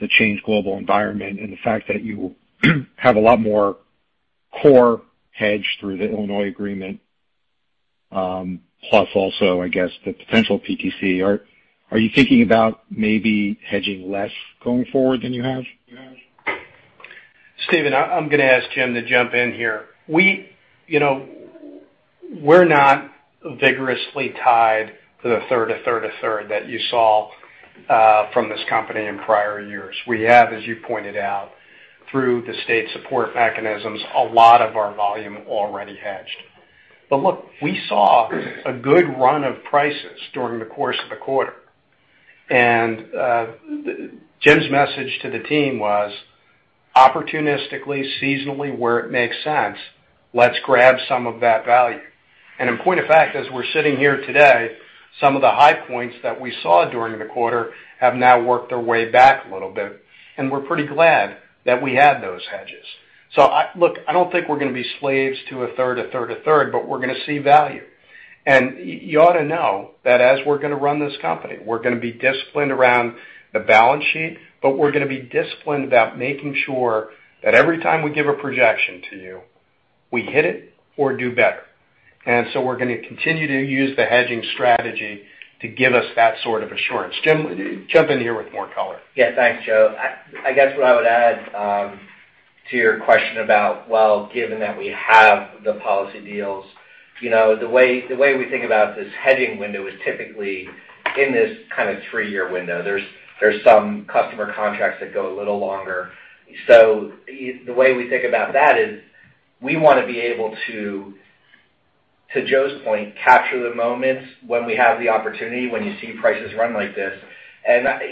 Speaker 7: the changed global environment and the fact that you have a lot more core hedge through the Illinois agreement, plus also, I guess, the potential PTC, are you thinking about maybe hedging less going forward than you have?
Speaker 3: Steven, I'm gonna ask Jim to jump in here. You know, we're not vigorously tied to 1/3, 1/3, 1/3 that you saw from this company in prior years. We have, as you pointed out, through the state support mechanisms, a lot of our volume already hedged. Look, we saw a good run of prices during the course of the quarter. Jim's message to the team was opportunistically, seasonally, where it makes sense, let's grab some of that value. In point of fact, as we're sitting here today, some of the high points that we saw during the quarter have now worked their way back a little bit, and we're pretty glad that we had those hedges. Look, I don't think we're gonna be slaves to 1/3, 1/3, 1/3, but we're gonna see value. You ought to know that as we're gonna run this company, we're gonna be disciplined around the balance sheet, but we're gonna be disciplined about making sure that every time we give a projection to you, we hit it or do better. We're gonna continue to use the hedging strategy to give us that sort of assurance. Jim, jump in here with more color.
Speaker 8: Yeah. Thanks, Joe. I guess what I would add to your question about, well, given that we have the policy deals, you know, the way we think about this hedging window is typically in this kind of three-year window. There's some customer contracts that go a little longer. The way we think about that is we wanna be able to Joe's point, capture the moments when we have the opportunity, when you see prices run like this.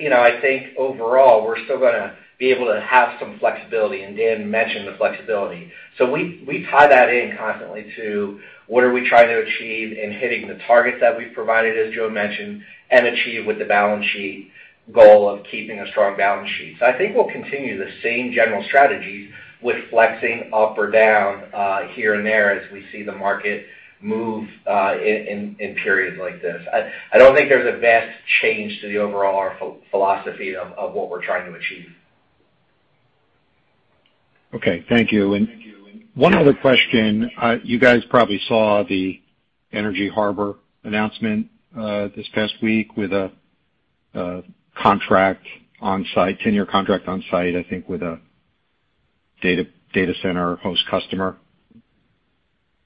Speaker 8: You know, I think overall we're still gonna be able to have some flexibility, and Dan mentioned the flexibility. We tie that in constantly to what are we trying to achieve in hitting the targets that we've provided, as Joe mentioned, and achieve with the balance sheet goal of keeping a strong balance sheet. I think we'll continue the same general strategies with flexing up or down, here and there as we see the market move, in periods like this. I don't think there's a vast change to the overall philosophy of what we're trying to achieve.
Speaker 7: Okay. Thank you. One other question. You guys probably saw the Energy Harbor announcement this past week with a 10-year contract on site, I think with a data center host customer.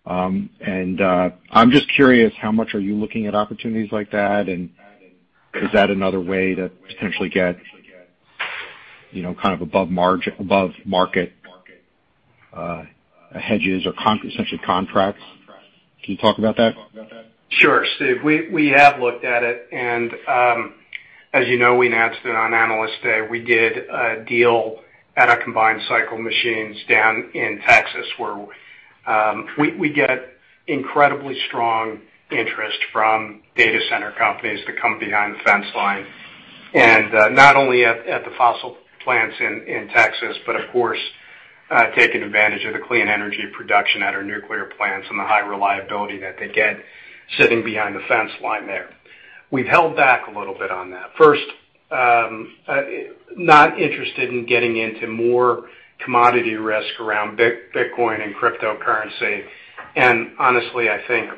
Speaker 7: I'm just curious, how much are you looking at opportunities like that? Is that another way to potentially get, you know, kind of above market hedges or essentially contracts? Can you talk about that?
Speaker 3: Sure, Steve. We have looked at it. As you know, we announced it on Analyst Day. We did a deal at our combined cycle machines down in Texas, where we get incredibly strong interest from data center companies to come behind the fence line. Not only at the fossil plants in Texas, but of course, taking advantage of the clean energy production at our nuclear plants and the high reliability that they get sitting behind the fence line there. We've held back a little bit on that. First, not interested in getting into more commodity risk around bitcoin and cryptocurrency. Honestly, I think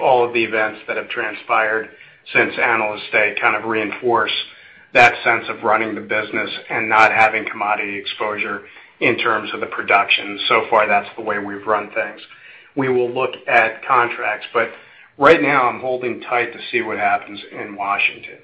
Speaker 3: all of the events that have transpired since Analyst Day kind of reinforce that sense of running the business and not having commodity exposure in terms of the production. So far, that's the way we've run things. We will look at contracts, but right now I'm holding tight to see what happens in Washington,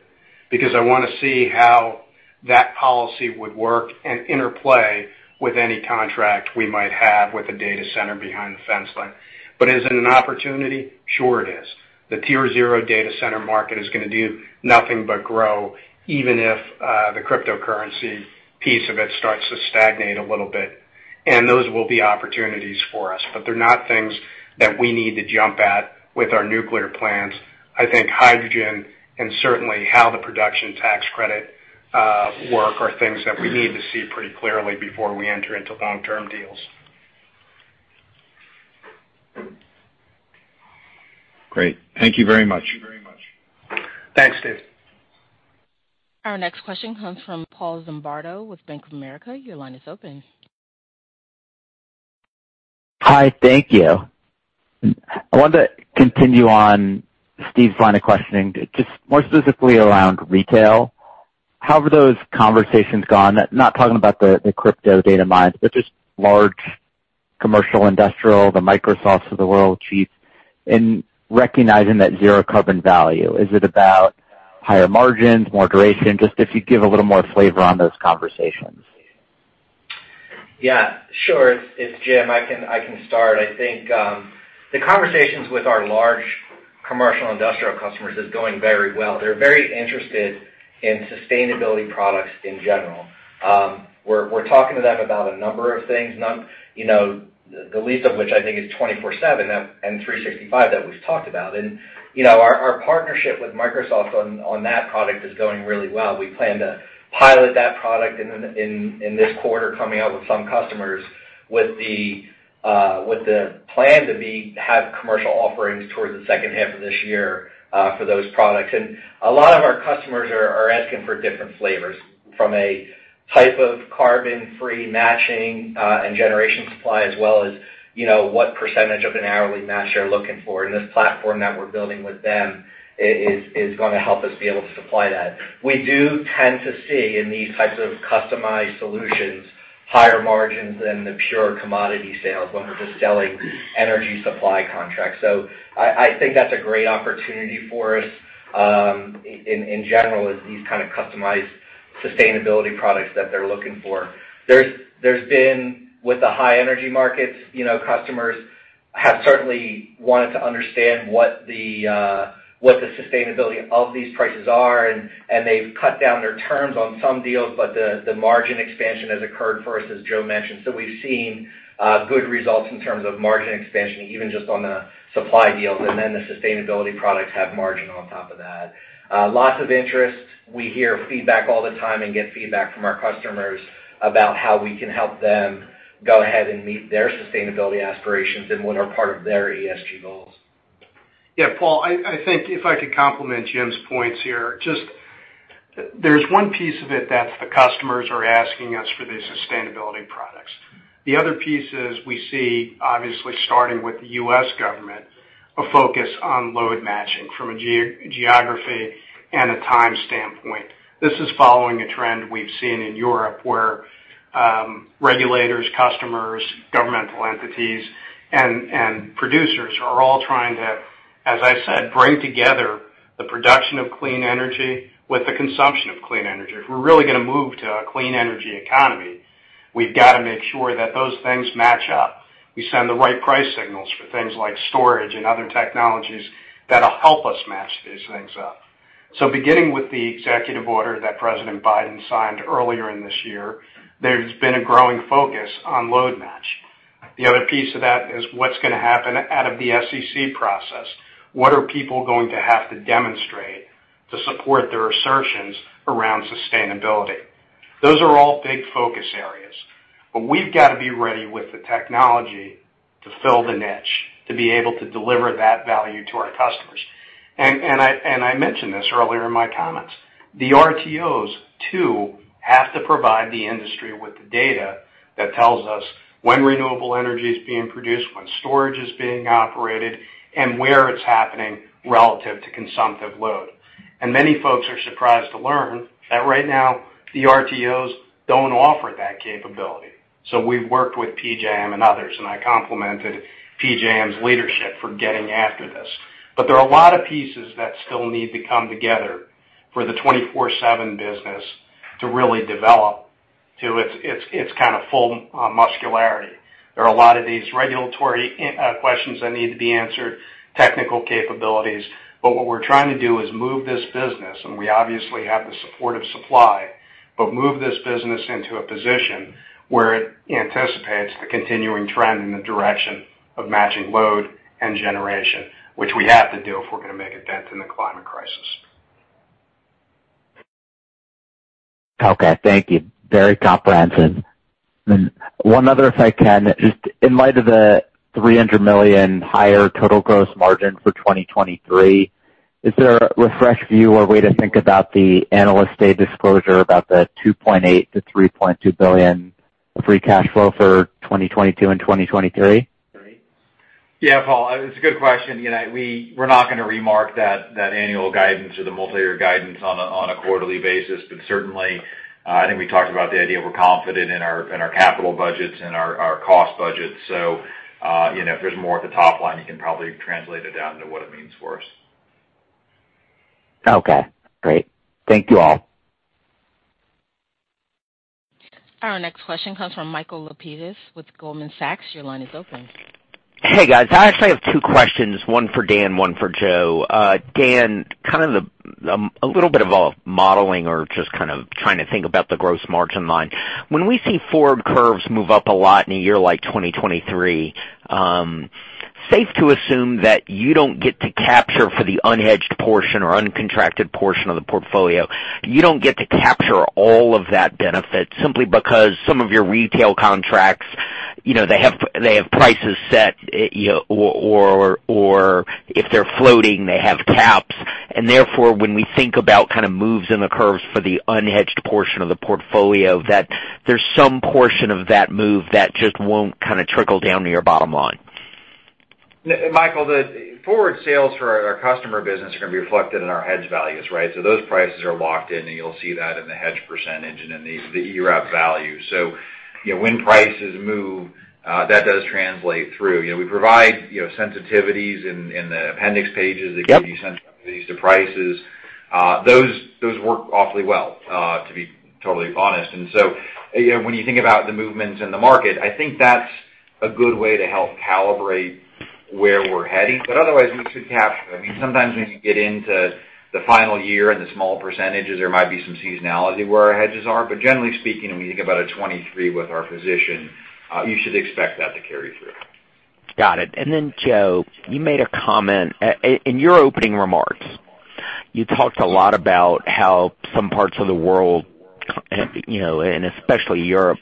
Speaker 3: because I wanna see how that policy would work and interplay with any contract we might have with a data center behind the fence line. Is it an opportunity? Sure, it is. The Tier 0 data center market is gonna do nothing but grow, even if the cryptocurrency piece of it starts to stagnate a little bit. Those will be opportunities for us, but they're not things that we need to jump at with our nuclear plants. I think hydrogen and certainly how the production tax credit work are things that we need to see pretty clearly before we enter into long-term deals.
Speaker 7: Great. Thank you very much.
Speaker 3: Thanks, Steve.
Speaker 1: Our next question comes from Paul Zimbardo with Bank of America. Your line is open.
Speaker 9: Hi. Thank you. I wanted to continue on Steve's line of questioning, just more specifically around retail. How have those conversations gone? Not talking about the crypto data mines, but just large commercial, industrial, the Microsofts of the world, chief, in recognizing that zero carbon value. Is it about higher margins, more duration? Just if you'd give a little more flavor on those conversations.
Speaker 8: Yeah, sure. It's Jim. I can start. I think the conversations with our large commercial industrial customers is going very well. They're very interested in sustainability products in general. We're talking to them about a number of things. You know, the least of which I think is 24/7 and 365 that we've talked about. You know, our partnership with Microsoft on that product is going really well. We plan to pilot that product in this quarter, coming out with some customers with the plan to have commercial offerings towards the second half of this year for those products. A lot of our customers are asking for different flavors from a type of carbon-free matching, and generation supply as well as, you know, what percentage of an hourly match you're looking for. This platform that we're building with them is gonna help us be able to supply that. We do tend to see in these types of customized solutions, higher margins than the pure commodity sales when we're just selling energy supply contracts. I think that's a great opportunity for us, in general is these kind of customized sustainability products that they're looking for. There's been with the high energy markets, you know, customers have certainly wanted to understand what the sustainability of these prices are, and they've cut down their terms on some deals, but the margin expansion has occurred for us as Joe mentioned. We've seen good results in terms of margin expansion, even just on the supply deals, and then the sustainability products have margin on top of that. Lots of interest. We hear feedback all the time and get feedback from our customers about how we can help them go ahead and meet their sustainability aspirations and what are part of their ESG goals.
Speaker 3: Yeah. Paul, I think if I could complement Jim's points here, just there's one piece of it that the customers are asking us for the sustainability products. The other piece is we see, obviously starting with the U.S. government, a focus on load matching from a geography and a time standpoint. This is following a trend we've seen in Europe, where regulators, customers, governmental entities, and producers are all trying to, as I said, bring together the production of clean energy with the consumption of clean energy. If we're really gonna move to a clean energy economy, we've got to make sure that those things match up. We send the right price signals for things like storage and other technologies that'll help us match these things up. Beginning with the executive order that President Biden signed earlier in this year, there's been a growing focus on load match. The other piece of that is what's gonna happen out of the SEC process. What are people going to have to demonstrate to support their assertions around sustainability? Those are all big focus areas, but we've got to be ready with the technology to fill the niche, to be able to deliver that value to our customers. I mentioned this earlier in my comments. The RTOs too have to provide the industry with the data that tells us when renewable energy is being produced, when storage is being operated, and where it's happening relative to consumptive load. Many folks are surprised to learn that right now the RTOs don't offer that capability. We've worked with PJM and others, and I complimented PJM's leadership for getting after this. There are a lot of pieces that still need to come together for the 24/7 business to really develop to its kind of full muscularity. There are a lot of these regulatory questions that need to be answered, technical capabilities. What we're trying to do is move this business, and we obviously have the support of supply, but move this business into a position where it anticipates the continuing trend in the direction of matching load and generation, which we have to do if we're gonna make a dent in the climate crisis.
Speaker 9: Okay. Thank you. Very comprehensive. One other, if I can, just in light of the $300 million higher total gross margin for 2023, is there a refreshed view or way to think about the Analyst Day disclosure about the $2.8 billion-$3.2 billion free cash flow for 2022 and 2023?
Speaker 3: Yeah. Paul, it's a good question. You know, we're not gonna remark that annual guidance or the multi-year guidance on a quarterly basis. Certainly, I think we talked about the idea we're confident in our capital budgets and our cost budgets. You know, if there's more at the top line, you can probably translate it down to what it means for us.
Speaker 9: Okay, great. Thank you all.
Speaker 1: Our next question comes from Michael Lapides with Goldman Sachs. Your line is open.
Speaker 10: Hey, guys. I actually have two questions, one for Dan, one for Joe. Dan, kind of a little bit of a modeling or just kind of trying to think about the gross margin line. When we see forward curves move up a lot in a year like 2023, safe to assume that you don't get to capture for the unhedged portion or uncontracted portion of the portfolio. You don't get to capture all of that benefit simply because some of your retail contracts, you know, they have prices set, you know, or if they're floating, they have caps. Therefore, when we think about kind of moves in the curves for the unhedged portion of the portfolio, that there's some portion of that move that just won't kind of trickle down to your bottom line.
Speaker 4: Michael, the forward sales for our customer business are gonna be reflected in our hedge values, right? Those prices are locked in, and you'll see that in the hedge percentage and in the ERAP value. You know, when prices move, that does translate through. You know, we provide sensitivities in the appendix pages that give you sensitivities to prices. Those work awfully well, to be totally honest. You know, when you think about the movements in the market, I think that's a good way to help calibrate where we're heading. Otherwise, we should have. I mean, sometimes when you get into the final year and the small percentages, there might be some seasonality where our hedges are. Generally speaking, when you think about 2023 with our position, you should expect that to carry through.
Speaker 10: Got it. Then, Joe, you made a comment. In your opening remarks, you talked a lot about how some parts of the world, you know, and especially Europe,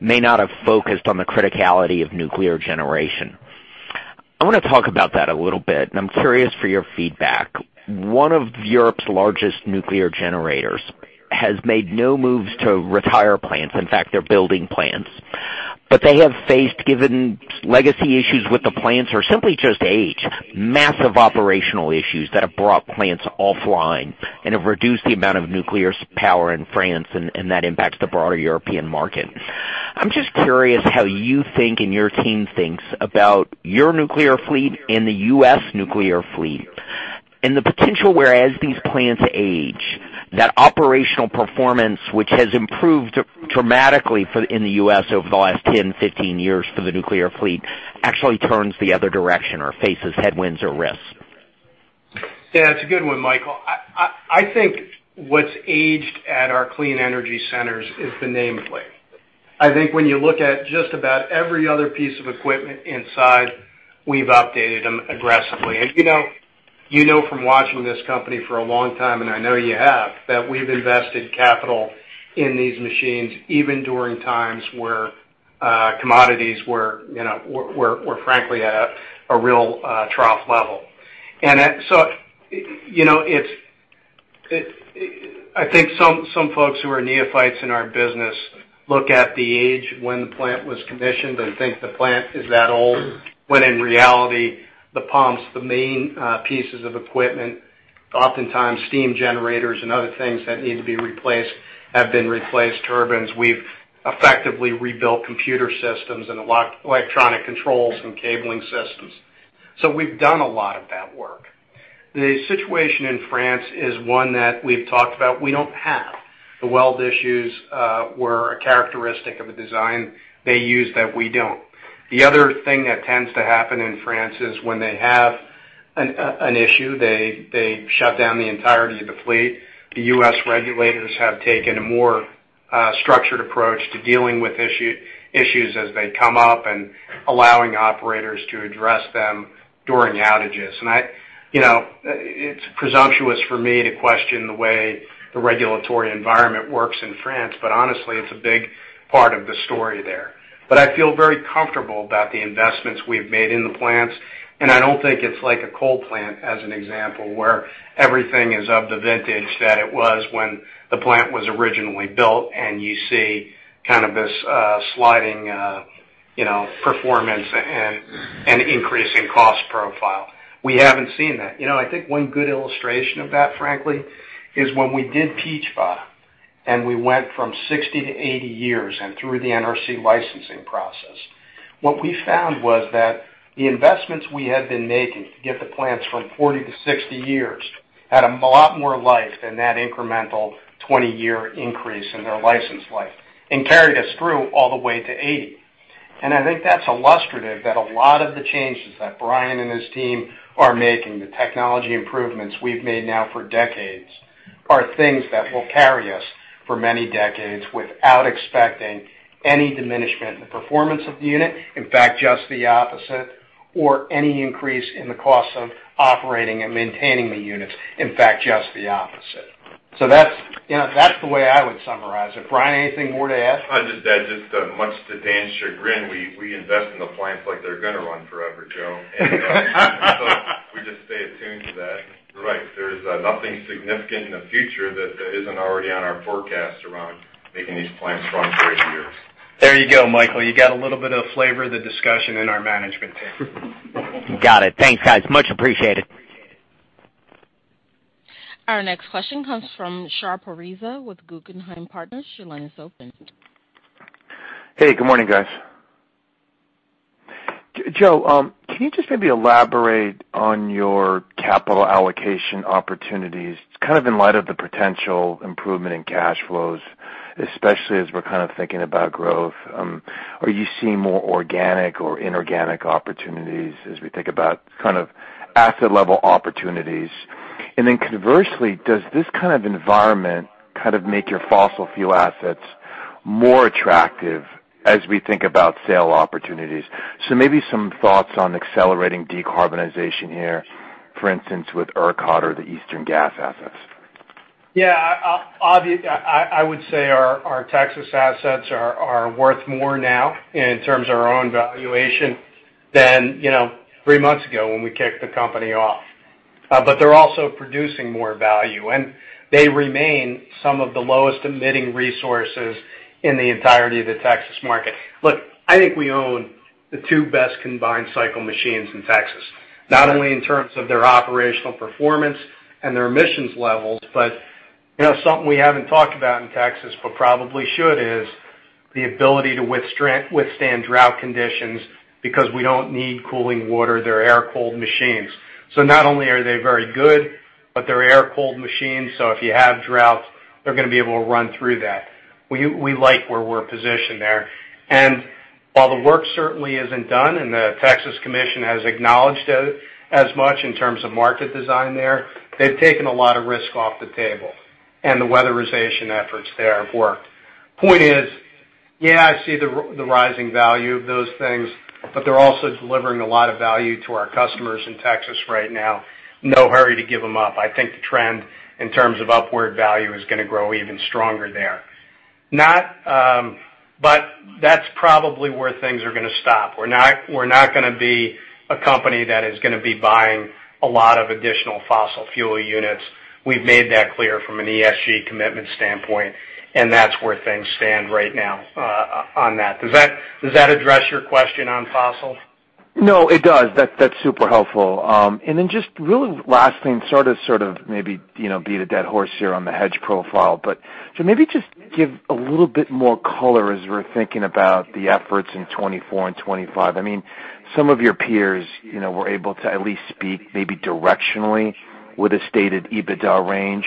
Speaker 10: may not have focused on the criticality of nuclear generation. I wanna talk about that a little bit, and I'm curious for your feedback. One of Europe's largest nuclear generators has made no moves to retire plants. In fact, they're building plants. They have faced, given legacy issues with the plants or simply just age, massive operational issues that have brought plants offline and have reduced the amount of nuclear power in France, and that impacts the broader European market. I'm just curious how you think and your team thinks about your nuclear fleet and the U.S. nuclear fleet and the potential, whereas these plants age, that operational performance, which has improved dramatically in the U.S. over the last 10, 15 years for the nuclear fleet, actually turns the other direction or faces headwinds or risks.
Speaker 3: Yeah, it's a good one, Michael. I think what's aged at our clean energy centers is the nameplate. I think when you look at just about every other piece of equipment inside, we've updated them aggressively. You know from watching this company for a long time, and I know you have, that we've invested capital in these machines even during times where commodities were, you know, were frankly at a real trough level. You know, I think some folks who are neophytes in our business look at the age when the plant was commissioned and think the plant is that old, when in reality, the pumps, the main pieces of equipment, oftentimes steam generators and other things that need to be replaced have been replaced. Turbines, we've effectively rebuilt computer systems and electronic controls and cabling systems. We've done a lot of that work. The situation in France is one that we've talked about. We don't have the weld issues that were a characteristic of a design they use that we don't. The other thing that tends to happen in France is when they have an issue, they shut down the entirety of the fleet. The U.S. regulators have taken a more structured approach to dealing with issues as they come up and allowing operators to address them during outages. You know, it's presumptuous for me to question the way the regulatory environment works in France, but honestly, it's a big part of the story there. I feel very comfortable about the investments we've made in the plants, and I don't think it's like a coal plant as an example, where everything is of the vintage that it was when the plant was originally built and you see kind of this sliding, you know, performance and increase in cost profile. We haven't seen that. You know, I think one good illustration of that, frankly, is when we did Peach Bottom, and we went from 60 to 80 years and through the NRC licensing process. What we found was that the investments we had been making to get the plants from 40 to 60 years had a lot more life than that incremental 20-year increase in their license life and carried us through all the way to 80. I think that's illustrative that a lot of the changes that Bryan and his team are making, the technology improvements we've made now for decades, are things that will carry us for many decades without expecting any diminishment in the performance of the unit, in fact, just the opposite, or any increase in the cost of operating and maintaining the units, in fact, just the opposite. That's, you know, that's the way I would summarize it. Bryan, anything more to add?
Speaker 6: I'll just add, much to Dan's chagrin, we invest in the plants like they're gonna run forever, Joe. We just stay attuned to that. You're right. There's nothing significant in the future that isn't already on our forecast around making these plants run for 80 years.
Speaker 3: There you go, Michael. You got a little bit of flavor of the discussion in our management team.
Speaker 10: Got it. Thanks, guys. Much appreciated.
Speaker 1: Our next question comes from Shar Pourreza with Guggenheim Partners. Your line is open.
Speaker 11: Hey, good morning, guys. Joe, can you just maybe elaborate on your capital allocation opportunities? It's kind of in light of the potential improvement in cash flows, especially as we're kind of thinking about growth. Are you seeing more organic or inorganic opportunities as we think about kind of asset-level opportunities? And then conversely, does this kind of environment kind of make your fossil fuel assets more attractive as we think about sale opportunities? Maybe some thoughts on accelerating decarbonization here, for instance, with ERCOT or the Eastern gas assets.
Speaker 3: Yeah. I would say our Texas assets are worth more now in terms of our own valuation than, you know, three months ago when we kicked the company off. They're also producing more value, and they remain some of the lowest emitting resources in the entirety of the Texas market. Look, I think we own the two best combined cycle machines in Texas, not only in terms of their operational performance and their emissions levels, but, you know, something we haven't talked about in Texas, but probably should, is the ability to withstand drought conditions because we don't need cooling water. They're air-cooled machines. So not only are they very good, but they're air-cooled machines, so if you have droughts, they're gonna be able to run through that. We like where we're positioned there. While the work certainly isn't done and the Texas Commission has acknowledged it as much in terms of market design there, they've taken a lot of risk off the table, and the weatherization efforts there have worked. Point is, yeah, I see the rising value of those things, but they're also delivering a lot of value to our customers in Texas right now. No hurry to give them up. I think the trend in terms of upward value is gonna grow even stronger there. But that's probably where things are gonna stop. We're not gonna be a company that is gonna be buying a lot of additional fossil fuel units. We've made that clear from an ESG commitment standpoint, and that's where things stand right now on that. Does that address your question on fossil?
Speaker 11: No, it does. That's super helpful. Just really last thing, sort of maybe, you know, beat a dead horse here on the hedge profile. Maybe just give a little bit more color as we're thinking about the efforts in 2024 and 2025. I mean, some of your peers, you know, were able to at least speak maybe directionally with a stated EBITDA range,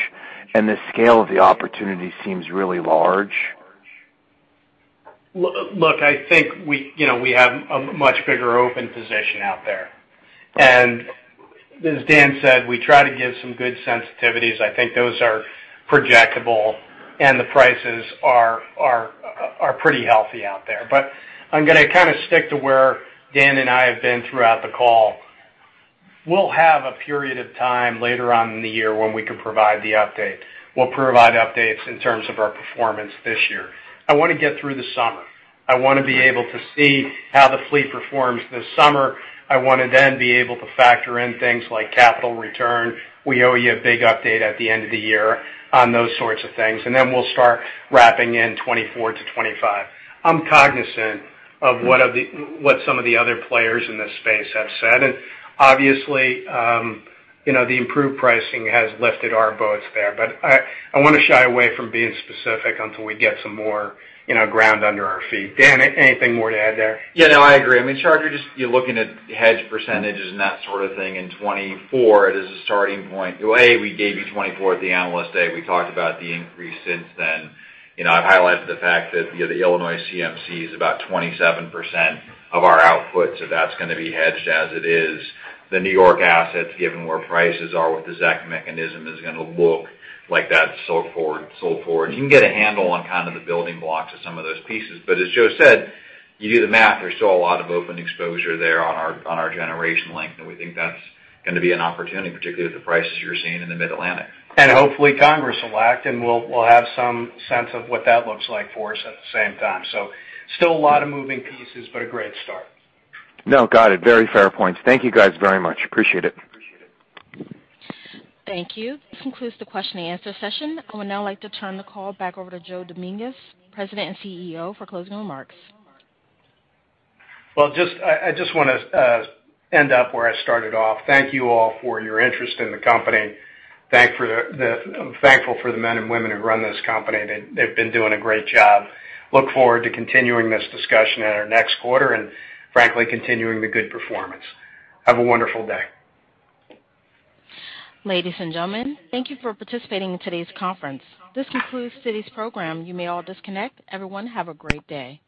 Speaker 11: and the scale of the opportunity seems really large.
Speaker 3: Look, I think we, you know, we have a much bigger open position out there. As Dan said, we try to give some good sensitivities. I think those are projectable and the prices are pretty healthy out there. I'm gonna kind of stick to where Dan and I have been throughout the call. We'll have a period of time later on in the year when we can provide the update. We'll provide updates in terms of our performance this year. I wanna get through the summer. I wanna be able to see how the fleet performs this summer. I wanna then be able to factor in things like capital return. We owe you a big update at the end of the year on those sorts of things, and then we'll start wrapping in 2024-2025. I'm cognizant of what some of the other players in this space have said. Obviously, you know, the improved pricing has lifted our boats there. I wanna shy away from being specific until we get some more, you know, ground under our feet. Dan, anything more to add there?
Speaker 4: Yeah, no, I agree. I mean, Shar, you're just, you're looking at hedge percentages and that sort of thing in 2024. It is a starting point. A, we gave you 2024 at the Analyst Day. We talked about the increase since then. You know, I've highlighted the fact that, you know, the Illinois CMC is about 27% of our output, so that's gonna be hedged as it is. The New York assets, given where prices are with the ZEC mechanism, is gonna look like that so forth, so forth. You can get a handle on kind of the building blocks of some of those pieces. As Joe said, you do the math, there's still a lot of open exposure there on our generation fleet, and we think that's gonna be an opportunity, particularly with the prices you're seeing in the Mid-Atlantic.
Speaker 3: Hopefully Congress will act, and we'll have some sense of what that looks like for us at the same time. Still a lot of moving pieces, but a great start.
Speaker 11: No, got it. Very fair points. Thank you guys very much. Appreciate it.
Speaker 1: Thank you. This concludes the question-and-answer session. I would now like to turn the call back over to Joe Dominguez, President and CEO, for closing remarks.
Speaker 3: Well, I just wanna end up where I started off. Thank you all for your interest in the company. I'm thankful for the men and women who run this company. They've been doing a great job. Look forward to continuing this discussion at our next quarter and frankly, continuing the good performance. Have a wonderful day.
Speaker 1: Ladies and gentlemen, thank you for participating in today's conference. This concludes today's program. You may all disconnect. Everyone, have a great day.